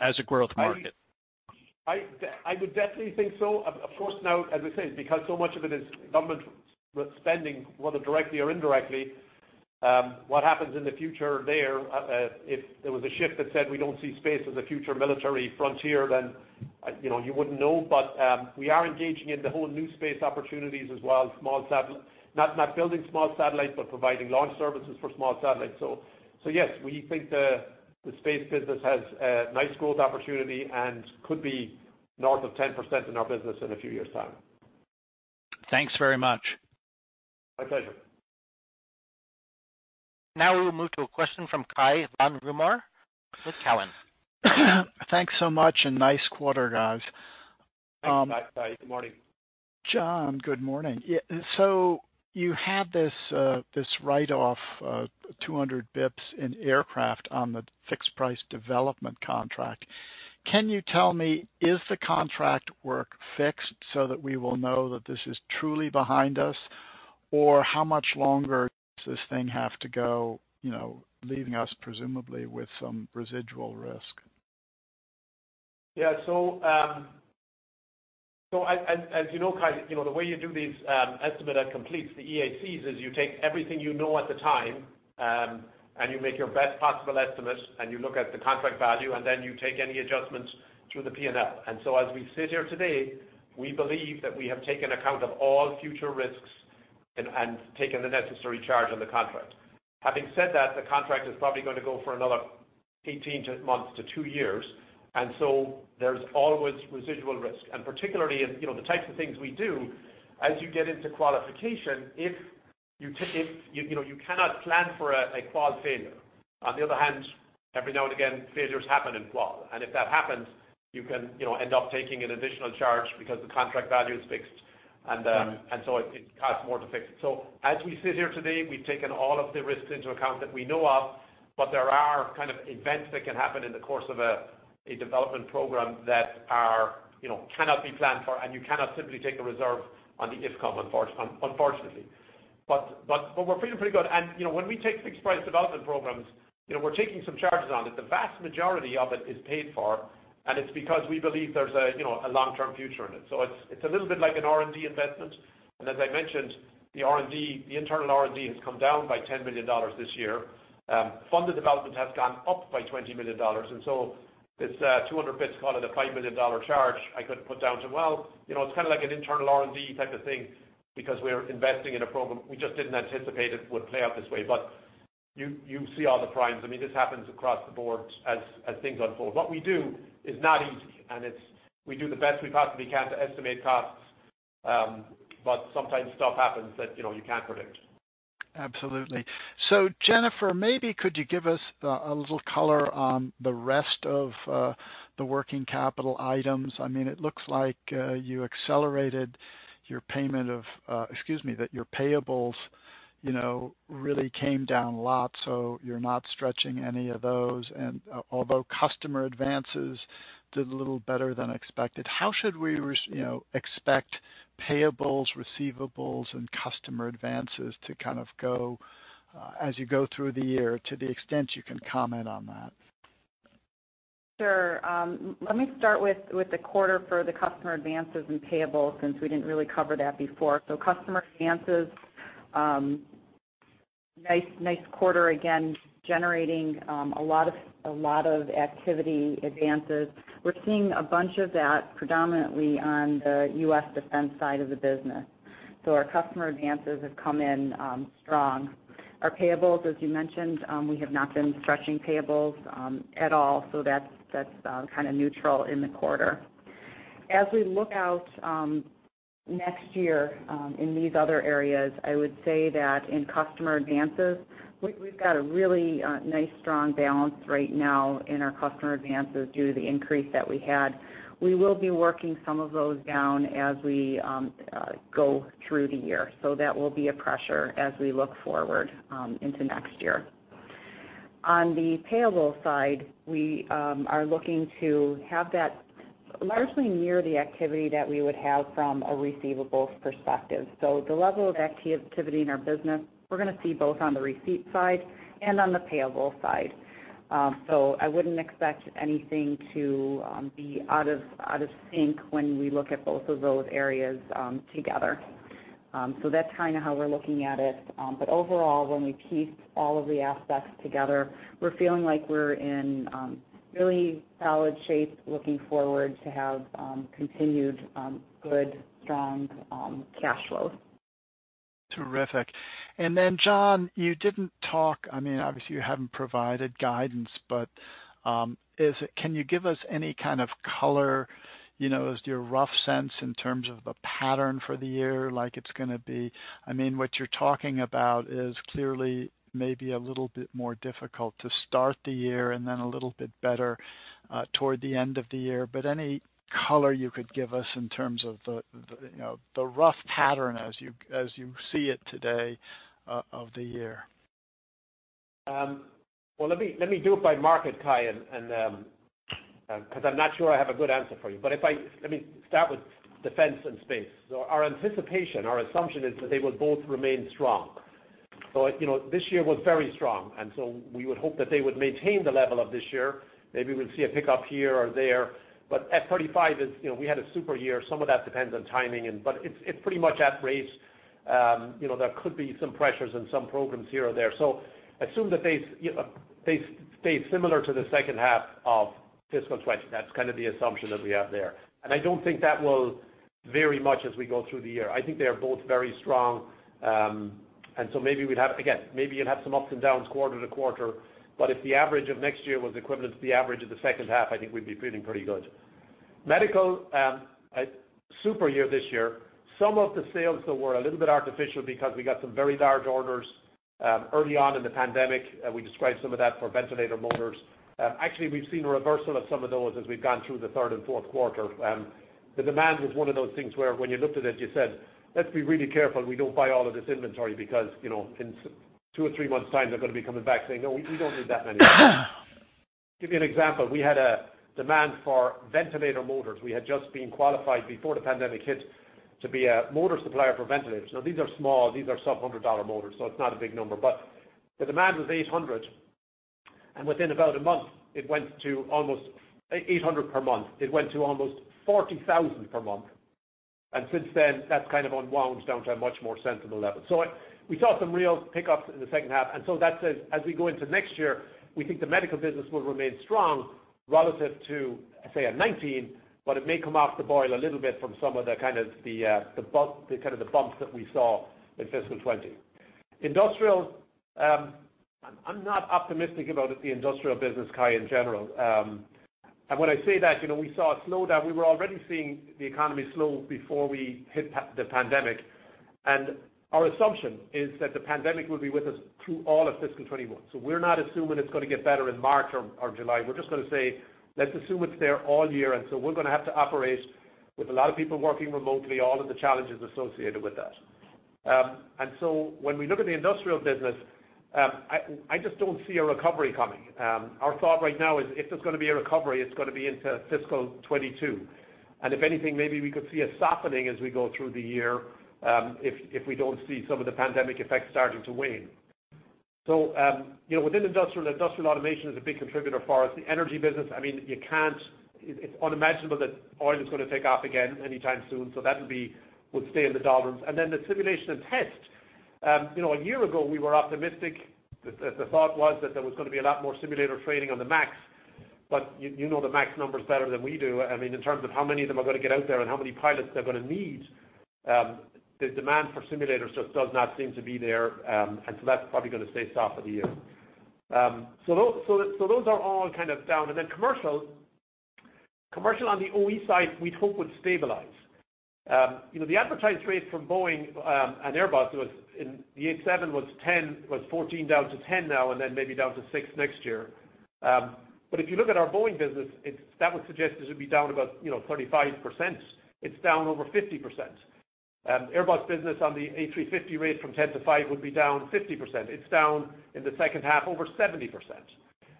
as a growth market. I would definitely think so. Of course, now, as I say, because so much of it is government spending, whether directly or indirectly, what happens in the future there, if there was a shift that said, we don't see space as a future military frontier, then you wouldn't know. We are engaging in the whole new space opportunities as well, not building small satellites, but providing launch services for small satellites. Yes, we think the space business has a nice growth opportunity and could be north of 10% in our business in a few years' time. Thanks very much. My pleasure. Now we will move to a question from Cai von Rumohr with Cowen. Thanks so much, and nice quarter, guys. Thanks for that, Cai. Good morning. John, good morning. You had this write-off of 200 basis points in aircraft on the fixed price development contract. Can you tell me, is the contract work fixed so that we will know that this is truly behind us? Or how much longer does this thing have to go, leaving us presumably with some residual risk? As you know, Cai, the way you do these Estimate at Completion, the EACs, is you take everything you know at the time, and you make your best possible estimate, and you look at the contract value, and then you take any adjustments to the P&L. As we sit here today, we believe that we have taken account of all future risks and taken the necessary charge on the contract. Having said that, the contract is probably going to go for another 18 months to two years, and so there's always residual risk. Particularly in the types of things we do, as you get into qualification, you cannot plan for a qual failure. On the other hand, every now and again, failures happen in qual. If that happens, you can end up taking an additional charge because the contract value is fixed, and so it costs more to fix it. As we sit here today, we've taken all of the risks into account that we know of, but there are kind of events that can happen in the course of a development program that cannot be planned for, and you cannot simply take a reserve on the if come, unfortunately. We're feeling pretty good. When we take fixed price development programs, we're taking some charges on it. The vast majority of it is paid for, and it's because we believe there's a long-term future in it. It's a little bit like an R&D investment. As I mentioned, the internal R&D has come down by $10 million this year. Funded development has gone up by $20 million. This 200 basis points, call it a $5 million charge I could put down to, well, it's kind of like an internal R&D type of thing because we're investing in a program. We just didn't anticipate it would play out this way. You see all the primes. This happens across the board as things unfold. What we do is not easy, and we do the best we possibly can to estimate costs, but sometimes stuff happens that you can't predict. Absolutely. Jennifer, maybe could you give us a little color on the rest of the working capital items? It looks like you accelerated your payment of, excuse me, that your payables really came down a lot, so you're not stretching any of those. Although customer advances did a little better than expected, how should we expect payables, receivables, and customer advances to kind of go as you go through the year, to the extent you can comment on that? Sure. Let me start with the quarter for the customer advances and payables, since we didn't really cover that before. Customer advances, nice quarter again, generating a lot of activity advances. We're seeing a bunch of that predominantly on the U.S. defense side of the business. Our customer advances have come in strong. Our payables, as you mentioned, we have not been stretching payables at all. That's kind of neutral in the quarter. As we look out next year in these other areas, I would say that in customer advances, we've got a really nice, strong balance right now in our customer advances due to the increase that we had. We will be working some of those down as we go through the year. That will be a pressure as we look forward into next year. On the payable side, we are looking to have that largely near the activity that we would have from a receivables perspective. The level of activity in our business, we're going to see both on the receipt side and on the payable side. I wouldn't expect anything to be out of sync when we look at both of those areas together. That's kind of how we're looking at it. Overall, when we piece all of the aspects together, we're feeling like we're in really solid shape looking forward to have continued good, strong cash flows. Terrific. John, you didn't talk, obviously you haven't provided guidance, but can you give us any kind of color, your rough sense in terms of a pattern for the year, like it's going to be? What you're talking about is clearly maybe a little bit more difficult to start the year and then a little bit better toward the end of the year. Any color you could give us in terms of the rough pattern as you see it today of the year? Well, let me do it by market, Cai, because I'm not sure I have a good answer for you. Let me start with defense and space. Our anticipation, our assumption is that they will both remain strong. This year was very strong, and so we would hope that they would maintain the level of this year. Maybe we'll see a pickup here or there. F-35, we had a super year. Some of that depends on timing, it's pretty much at rates. There could be some pressures in some programs here or there. Assume that they stay similar to the second half of fiscal 2020. That's kind of the assumption that we have there. I don't think that will vary much as we go through the year. I think they are both very strong. Maybe we'd have, again, maybe you'll have some ups and downs quarter to quarter, but if the average of next year was equivalent to the average of the second half, I think we'd be feeling pretty good. Medical, super year this year. Some of the sales though were a little bit artificial because we got some very large orders early on in the pandemic. We described some of that for ventilator motors. Actually, we've seen a reversal of some of those as we've gone through the third and fourth quarter. The demand was one of those things where when you looked at it, you said, "Let's be really careful we don't buy all of this inventory because, in two or three months time, they're going to be coming back saying, 'No, we don't need that many.'" Give you an example. We had a demand for ventilator motors. We had just been qualified before the pandemic hit to be a motor supplier for ventilators. Now, these are small, these are sub-$100 motors, so it's not a big number. The demand was 800, and within about a month it went to almost, 800 per month, it went to almost 40,000 per month. Since then, that's kind of unwound down to a much more sensible level. We saw some real pickups in the second half, that says as we go into next year, we think the medical business will remain strong relative to, say, a 2019, but it may come off the boil a little bit from some of the kind of the bumps that we saw in fiscal 2020. Industrial, I'm not optimistic about the industrial business, Cai, in general. When I say that, we saw a slowdown. We were already seeing the economy slow before we hit the pandemic. Our assumption is that the pandemic will be with us through all of fiscal 2021. We're not assuming it's going to get better in March or July. We're just going to say, let's assume it's there all year, and so we're going to have to operate with a lot of people working remotely, all of the challenges associated with that. When we look at the industrial business, I just don't see a recovery coming. Our thought right now is if there's going to be a recovery, it's going to be into fiscal 2022. If anything, maybe we could see a softening as we go through the year, if we don't see some of the pandemic effects starting to wane. Within industrial, industrial automation is a big contributor for us. The energy business, it's unimaginable that oil is going to take off again anytime soon, so that would stay in the doldrums. The simulation and test. A year ago, we were optimistic. The thought was that there was going to be a lot more simulator training on the MAX. You know the MAX numbers better than we do. In terms of how many of them are going to get out there and how many pilots they're going to need, the demand for simulators just does not seem to be there. That's probably going to stay soft for the year. Those are all kind of down. Commercial, commercial on the OE side, we'd hope would stabilize. The advertised rates from Boeing and Airbus was, the 87 was 14 down to 10 now and then maybe down to 6 next year. If you look at our Boeing business, that would suggest it would be down about 35%. It's down over 50%. Airbus business on the A350 rate from 10 to 5 would be down 50%. It's down in the second half, over 70%.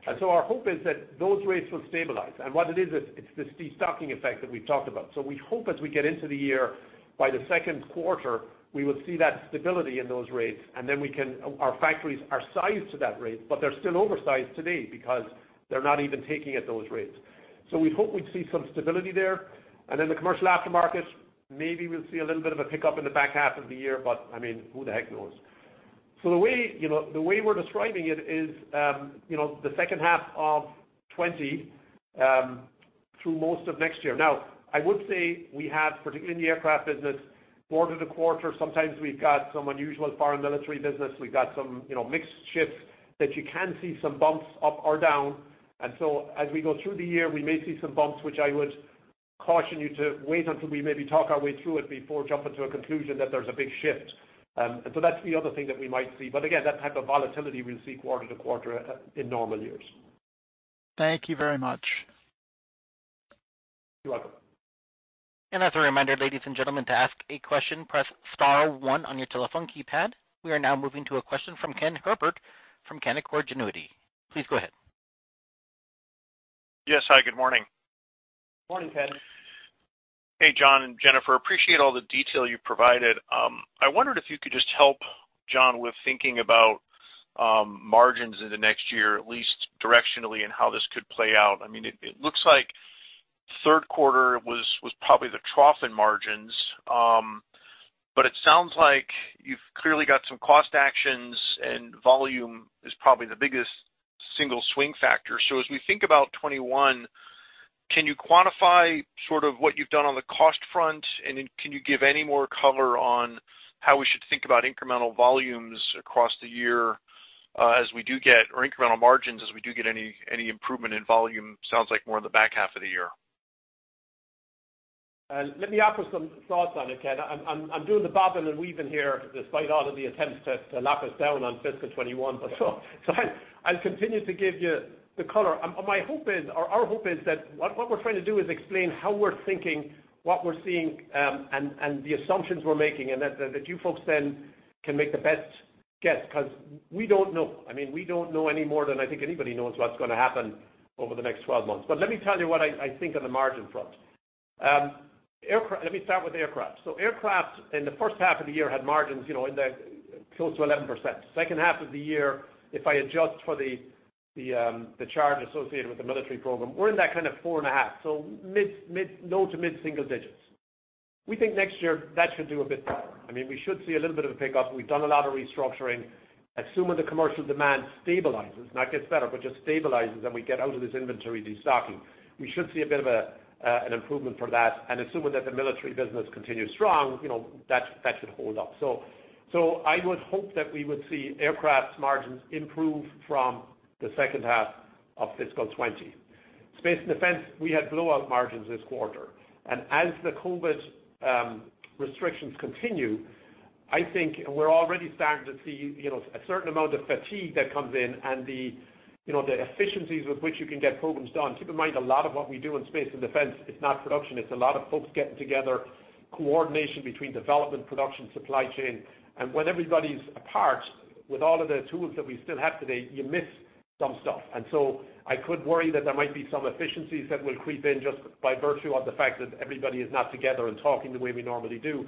Our hope is that those rates will stabilize. What it is, it's this de-stocking effect that we've talked about. We hope as we get into the year, by the second quarter, we will see that stability in those rates. Our factories are sized to that rate, but they're still oversized today because they're not even taking at those rates. We hope we'd see some stability there. The commercial aftermarket, maybe we'll see a little bit of a pickup in the back half of the year, but who the heck knows? The way we're describing it is the second half of 2020 through most of next year. Now I would say we have, particularly in the aircraft business, quarter to quarter, sometimes we've got some unusual foreign military business. We've got some mixed shifts that you can see some bumps up or down. As we go through the year, we may see some bumps, which I would caution you to wait until we maybe talk our way through it before jumping to a conclusion that there's a big shift. That's the other thing that we might see. Again, that type of volatility we'll see quarter to quarter in normal years. Thank you very much. You're welcome. As a reminder, ladies and gentlemen, to ask a question, press star one on your telephone keypad. We are now moving to a question from Ken Herbert from Canaccord Genuity. Please go ahead. Yes, hi, good morning. Morning, Ken. Hey, John and Jennifer, appreciate all the detail you provided. I wondered if you could just help, John, with thinking about margins in the next year, at least directionally, and how this could play out. It looks like third quarter was probably the trough in margins. It sounds like you've clearly got some cost actions, and volume is probably the biggest single swing factor. As we think about 2021, can you quantify sort of what you've done on the cost front? Can you give any more color on how we should think about incremental volumes across the year, or incremental margins as we do get any improvement in volume? Sounds like more in the back half of the year. Let me offer some thoughts on it, Ken. I'm doing the bobbing and weaving here despite all of the attempts to lock us down on fiscal 2021. I'll continue to give you the color. Our hope is that what we're trying to do is explain how we're thinking, what we're seeing, and the assumptions we're making, and that you folks then can make the best guess, because we don't know. We don't know any more than I think anybody knows what's going to happen over the next 12 months. Let me tell you what I think on the margin front. Let me start with aircraft. Aircraft in the first half of the year had margins close to 11%. Second half of the year, if I adjust for the charge associated with the military program, we're in that kind of 4.5%. Low to mid-single digits. We think next year that should do a bit better. We should see a little bit of a pickup. We've done a lot of restructuring. Assuming the commercial demand stabilizes, not gets better, but just stabilizes and we get out of this inventory de-stocking, we should see a bit of an improvement for that. Assuming that the military business continues strong, that should hold up. I would hope that we would see aircraft margins improve from the second half of fiscal 2020. Space and Defense, we had blowout margins this quarter. As the COVID restrictions continue, I think we're already starting to see a certain amount of fatigue that comes in and the efficiencies with which you can get programs done. Keep in mind, a lot of what we do in Space and Defense, it's not production, it's a lot of folks getting together, coordination between development, production, supply chain. When everybody's apart with all of the tools that we still have today, you miss some stuff. I could worry that there might be some efficiencies that will creep in just by virtue of the fact that everybody is not together and talking the way we normally do.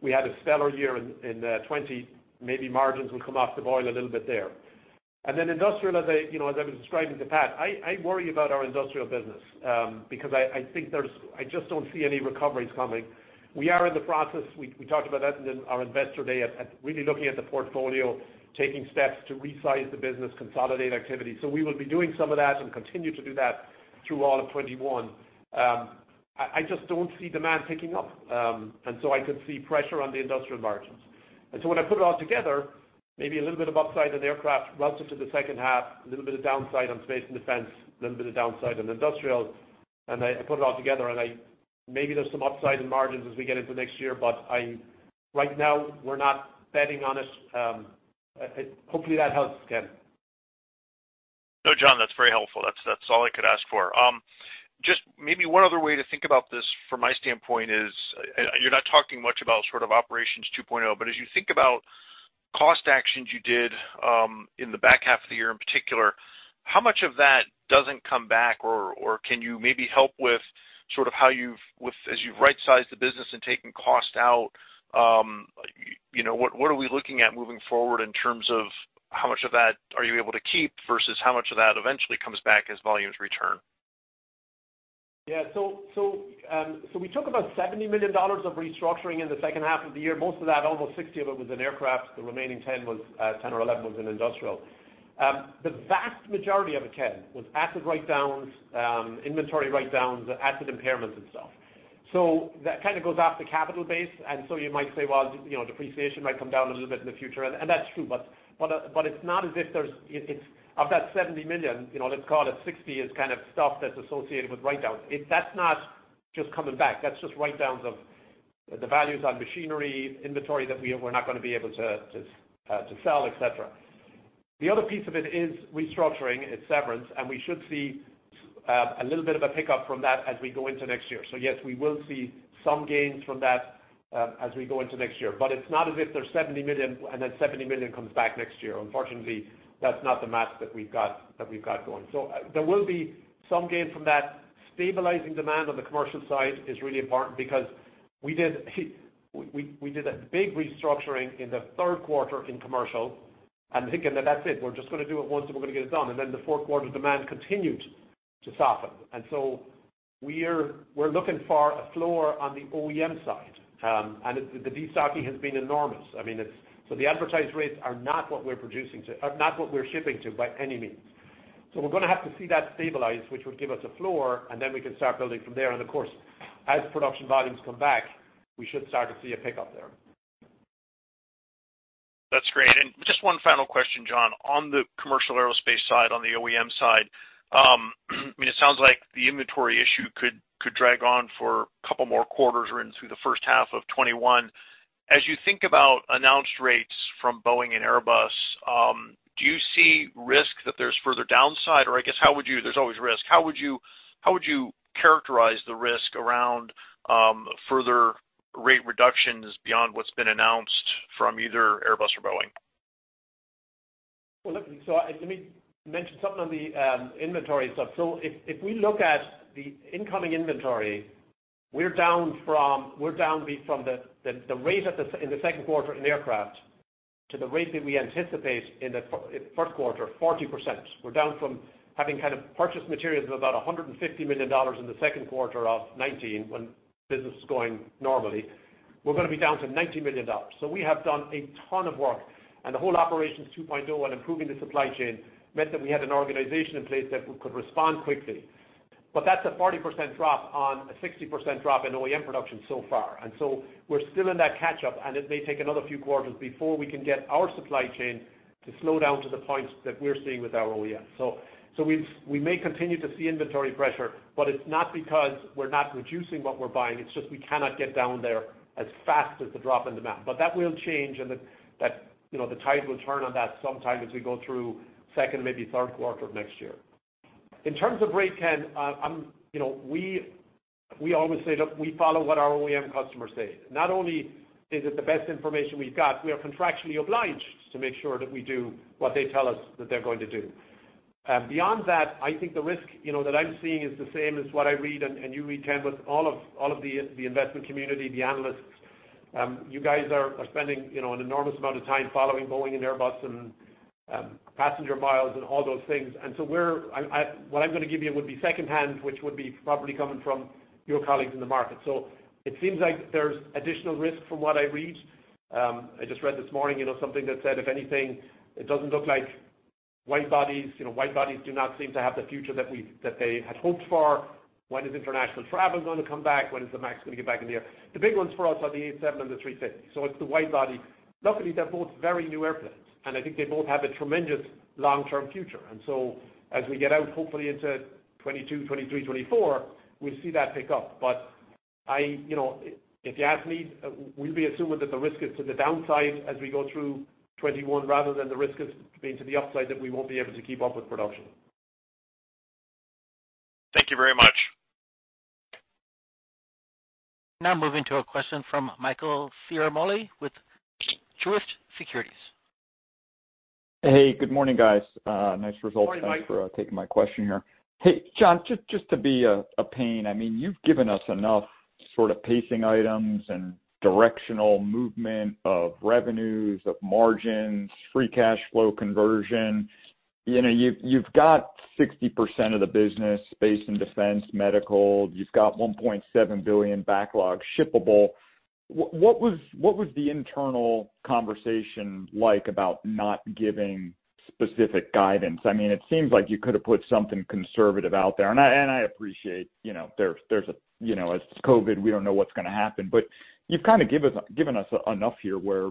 We had a stellar year in 2020, maybe margins will come off the boil a little bit there. Industrial, as I've been describing, I worry about our industrial business because I just don't see any recoveries coming. We are in the process, we talked about that in our Investor Day, at really looking at the portfolio, taking steps to resize the business, consolidate activity. We will be doing some of that and continue to do that through all of 2021. I just don't see demand picking up. I could see pressure on the industrial margins. When I put it all together, maybe a little bit of upside in aircraft relative to the second half, a little bit of downside on Space and Defense, a little bit of downside on industrial. I put it all together, and maybe there's some upside in margins as we get into next year, but right now we're not betting on it. Hopefully, that helps, Ken. No, John, that's very helpful. That's all I could ask for. Maybe one other way to think about this from my standpoint is, you're not talking much about sort of Operations 2.0, but as you think about cost actions you did in the back half of the year in particular, how much of that doesn't come back or can you maybe help with sort of how as you've right-sized the business and taken cost out, what are we looking at moving forward in terms of how much of that are you able to keep versus how much of that eventually comes back as volumes return? Yeah. We took about $70 million of restructuring in the second half of the year. Most of that, almost $60 million of it was in aircraft. The remaining $10 million or $11 million was in industrial. The vast majority of it, Ken, was asset write-downs, inventory write-downs, asset impairments and stuff. That kind of goes off the capital base, and you might say, well, depreciation might come down a little bit in the future, and that's true. It's not as if there's. Of that $70 million, let's call it $60 million is kind of stuff that's associated with write-downs. That's not just coming back. That's just write-downs of the values on machinery, inventory that we're not going to be able to sell, et cetera. The other piece of it is restructuring, it's severance, and we should see a little bit of a pickup from that as we go into next year. Yes, we will see some gains from that as we go into next year. It's not as if there's $70 million and then $70 million comes back next year. Unfortunately, that's not the math that we've got going. There will be some gain from that. Stabilizing demand on the commercial side is really important because we did a big restructuring in the third quarter in commercial and thinking that that's it. We're just going to do it once and we're going to get it done, then the fourth quarter demand continued to soften. We're looking for a floor on the OEM side. The destocking has been enormous. The advertised rates are not what we're shipping to by any means. We're going to have to see that stabilize, which would give us a floor, and then we can start building from there. Of course, as production volumes come back, we should start to see a pickup there. That's great. Just one final question, John. On the commercial aerospace side, on the OEM side, it sounds like the inventory issue could drag on for a couple more quarters or in through the first half of 2021. As you think about announced rates from Boeing and Airbus, do you see risk that there's further downside? I guess, there's always risk, how would you characterize the risk around further rate reductions beyond what's been announced from either Airbus or Boeing? Look, let me mention something on the inventory stuff. If we look at the incoming inventory, we're down from the rate in the second quarter in aircraft to the rate that we anticipate in the first quarter, 40%. We're down from having kind of purchased materials of about $150 million in the second quarter of 2019 when business was going normally. We're going to be down to $90 million. We have done a ton of work and the whole Operations 2.0 and improving the supply chain meant that we had an organization in place that could respond quickly. That's a 40% drop on a 60% drop in OEM production so far. We're still in that catch-up and it may take another few quarters before we can get our supply chain to slow down to the points that we're seeing with our OEMs. We may continue to see inventory pressure, but it's not because we're not reducing what we're buying, it's just we cannot get down there as fast as the drop in demand. That will change and the tide will turn on that sometime as we go through second, maybe third quarter of next year. In terms of rate, Ken, we always say, look, we follow what our OEM customers say. Not only is it the best information we've got, we are contractually obliged to make sure that we do what they tell us that they're going to do. Beyond that, I think the risk that I'm seeing is the same as what I read and you read, Ken, with all of the investment community, the analysts. You guys are spending an enormous amount of time following Boeing and Airbus and passenger miles and all those things. What I'm going to give you would be secondhand, which would be probably coming from your colleagues in the market. It seems like there's additional risk from what I read. I just read this morning something that said, if anything, it doesn't look like wide-bodies do not seem to have the future that they had hoped for. When is international travel going to come back? When is the MAX going to get back in the air? The big ones for us are the 87 and the 350, so it's the wide-body. Luckily, they're both very new airplanes, and I think they both have a tremendous long-term future. As we get out, hopefully into 2022, 2023, 2024, we'll see that pick up. If you ask me, we'll be assuming that the risk is to the downside as we go through 2021, rather than the risk as being to the upside, that we won't be able to keep up with production. Thank you very much. Now moving to a question from Michael Ciarmoli with Truist Securities. Hey, good morning, guys. Nice results. Morning, Mike. Thanks for taking my question here. Hey, John, just to be a pain, you've given us enough sort of pacing items and directional movement of revenues, of margins, free cash flow conversion. You've got 60% of the business, Space and Defense, medical. You've got $1.7 billion backlog shippable. What was the internal conversation like about not giving specific guidance? It seems like you could've put something conservative out there, I appreciate it's COVID, we don't know what's going to happen. You've kind of given us enough here where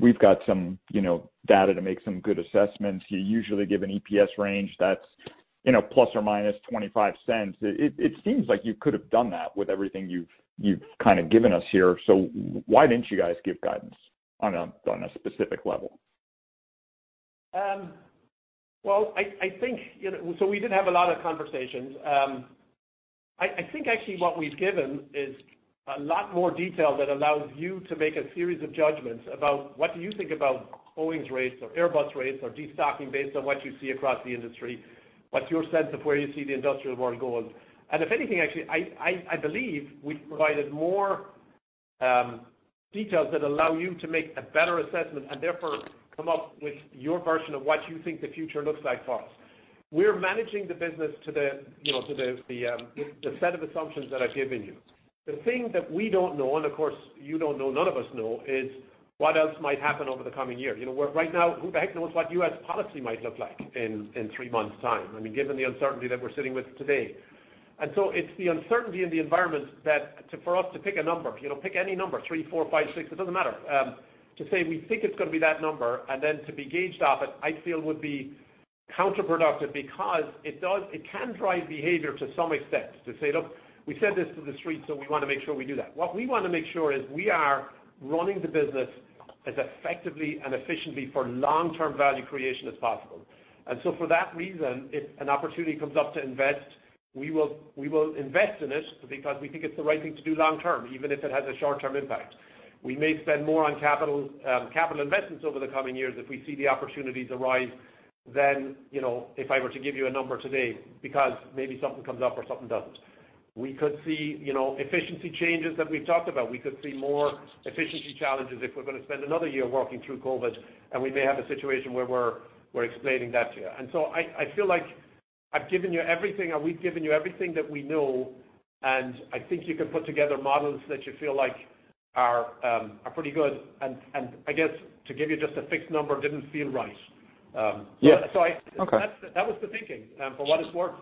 we've got some data to make some good assessments. You usually give an EPS range that's ±$0.25. It seems like you could've done that with everything you've kind of given us here. Why didn't you guys give guidance on a specific level? Well, we did have a lot of conversations. I think actually what we've given is a lot more detail that allows you to make a series of judgments about what do you think about Boeing's rates or Airbus rates or destocking based on what you see across the industry. What's your sense of where you see the industrial world going? If anything, actually, I believe we've provided more details that allow you to make a better assessment, and therefore come up with your version of what you think the future looks like for us. We're managing the business to the set of assumptions that I've given you. The thing that we don't know, of course, you don't know, none of us know, is what else might happen over the coming year. Right now, who the heck knows what U.S. policy might look like in three months' time, given the uncertainty that we're sitting with today. It's the uncertainty in the environment that for us to pick a number, pick any number, three, four, five, six, it doesn't matter, to say we think it's going to be that number, and then to be gauged off it, I feel would be counterproductive because it can drive behavior to some extent to say, "Look, we said this to the street, so we want to make sure we do that." What we want to make sure is we are running the business as effectively and efficiently for long-term value creation as possible. For that reason, if an opportunity comes up to invest, we will invest in it because we think it's the right thing to do long-term, even if it has a short-term impact. We may spend more on capital investments over the coming years if we see the opportunities arise, than if I were to give you a number today, because maybe something comes up or something doesn't. We could see efficiency changes that we've talked about. We could see more efficiency challenges if we're going to spend another year working through COVID, and we may have a situation where we're explaining that to you. I feel like I've given you everything, and we've given you everything that we know, and I think you can put together models that you feel like are pretty good. I guess to give you just a fixed number didn't feel right. That was the thinking, for what it's worth.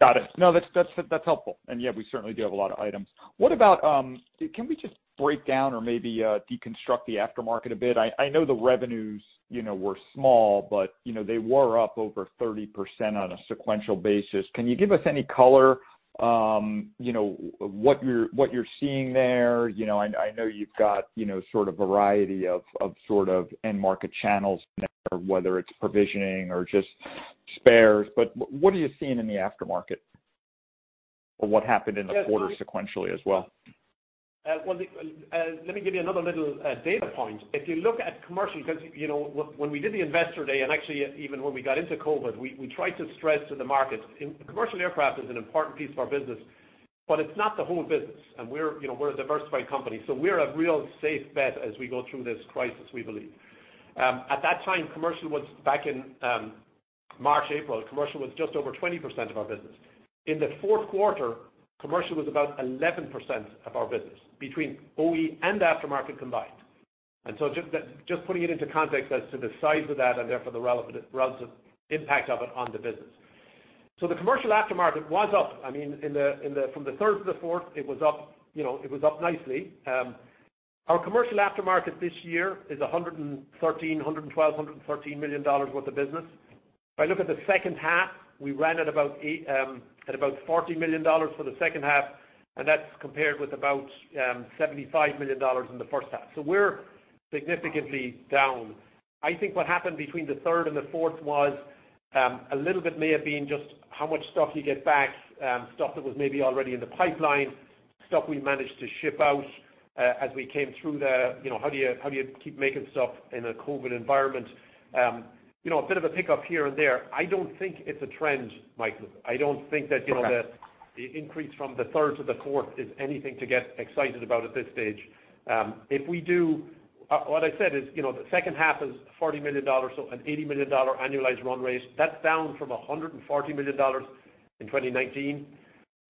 Got it. No, that's helpful. Yeah, we certainly do have a lot of items. Can we just break down or maybe deconstruct the aftermarket a bit? I know the revenues were small, but they were up over 30% on a sequential basis. Can you give us any color, what you're seeing there? I know you've got sort of a variety of end market channels there, whether it's provisioning or just spares, but what are you seeing in the aftermarket? What happened in the quarter sequentially as well? Let me give you another little data point. If you look at commercial, because when we did the Investor Day, and actually even when we got into COVID, we tried to stress to the market, commercial aircraft is an important piece of our business, but it's not the whole business, and we're a diversified company, so we're a real safe bet as we go through this crisis, we believe. At that time, back in March, April, commercial was just over 20% of our business. In the fourth quarter, commercial was about 11% of our business, between OE and aftermarket combined. Just putting it into context as to the size of that, and therefore the relative impact of it on the business. The commercial aftermarket was up. From the third to the fourth, it was up nicely. Our commercial aftermarket this year is $112 million-$113 million worth of business. If I look at the second half, we ran at about $40 million for the second half, and that's compared with about $75 million in the first half. We're significantly down. I think what happened between the third and the fourth was, a little bit may have been just how much stock do you get back, stuff that was maybe already in the pipeline, stuff we managed to ship out as we came through the how do you keep making stuff in a COVID environment? A bit of a pickup here and there. I don't think it's a trend, Michael. I don't think that the increase from the third to the fourth is anything to get excited about at this stage. What I said is, the second half is $40 million, so an $80 million annualized run rate. That's down from $140 million in 2019.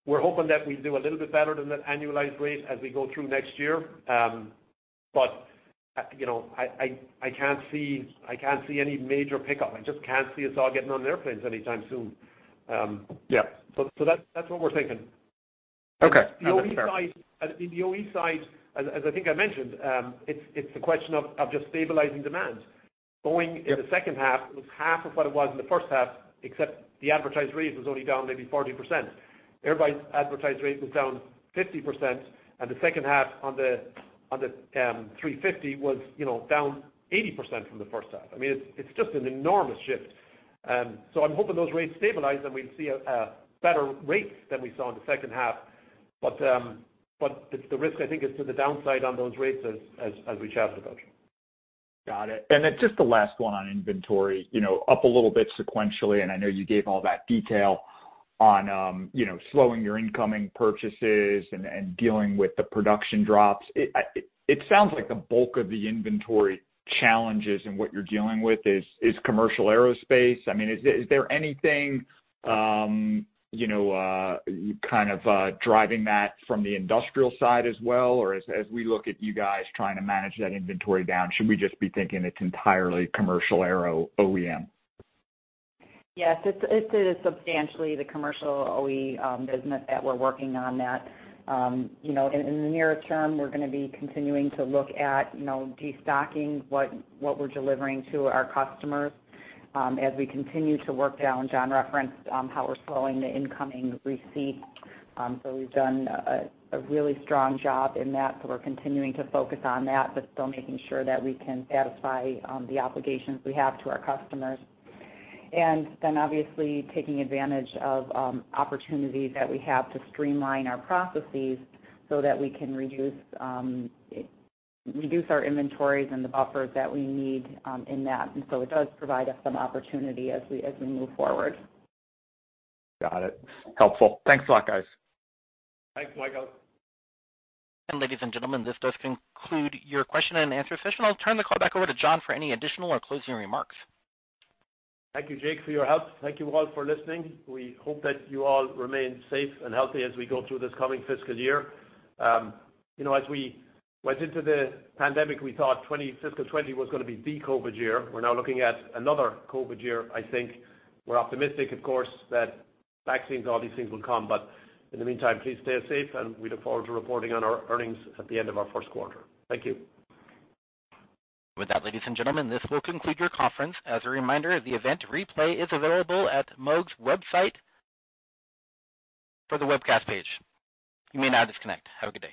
We're hoping that we do a little bit better than that annualized rate as we go through next year. But I can't see any major pickup. I just can't see us all getting on airplanes anytime soon. That's what we're thinking. Okay. That's fair. The OE side, as I think I mentioned, it's a question of just stabilizing demand. Going in the second half, it was half of what it was in the first half, except the advertised rate was only down maybe 40%. Everybody's advertised rate was down 50%, and the second half on the 350 was down 80% from the first half. It's just an enormous shift. I'm hoping those rates stabilize, and we'd see a better rate than we saw in the second half. The risk, I think, is to the downside on those rates as we chat about. Got it. Just the last one on inventory, up a little bit sequentially, and I know you gave all that detail on slowing your incoming purchases and dealing with the production drops. It sounds like the bulk of the inventory challenges and what you're dealing with is commercial aerospace. Is there anything kind of driving that from the industrial side as well? As we look at you guys trying to manage that inventory down, should we just be thinking it's entirely commercial aero OEM? Yes. It is substantially the commercial OE business that we're working on that. In the near-term, we're going to be continuing to look at de-stocking what we're delivering to our customers as we continue to work down. John referenced how we're slowing the incoming receipts. We've done a really strong job in that. We're continuing to focus on that, but still making sure that we can satisfy the obligations we have to our customers. Obviously, taking advantage of opportunities that we have to streamline our processes so that we can reduce our inventories and the buffers that we need in that. It does provide us some opportunity as we move forward. Got it. Helpful. Thanks a lot, guys. Thanks, Michael. Ladies and gentlemen, this does conclude your question-and-answer session. I'll turn the call back over to John for any additional or closing remarks. Thank you, Jake, for your help. Thank you all for listening. We hope that you all remain safe and healthy as we go through this coming fiscal year. As we went into the pandemic, we thought fiscal 2020 was going to be the COVID year. We're now looking at another COVID year, I think. We're optimistic, of course, that vaccines and all these things will come, but in the meantime, please stay safe, and we look forward to reporting on our earnings at the end of our first quarter. Thank you. With that, ladies and gentlemen, this will conclude your conference. As a reminder, the event replay is available at Moog's website for the webcast page. You may now disconnect. Have a good day.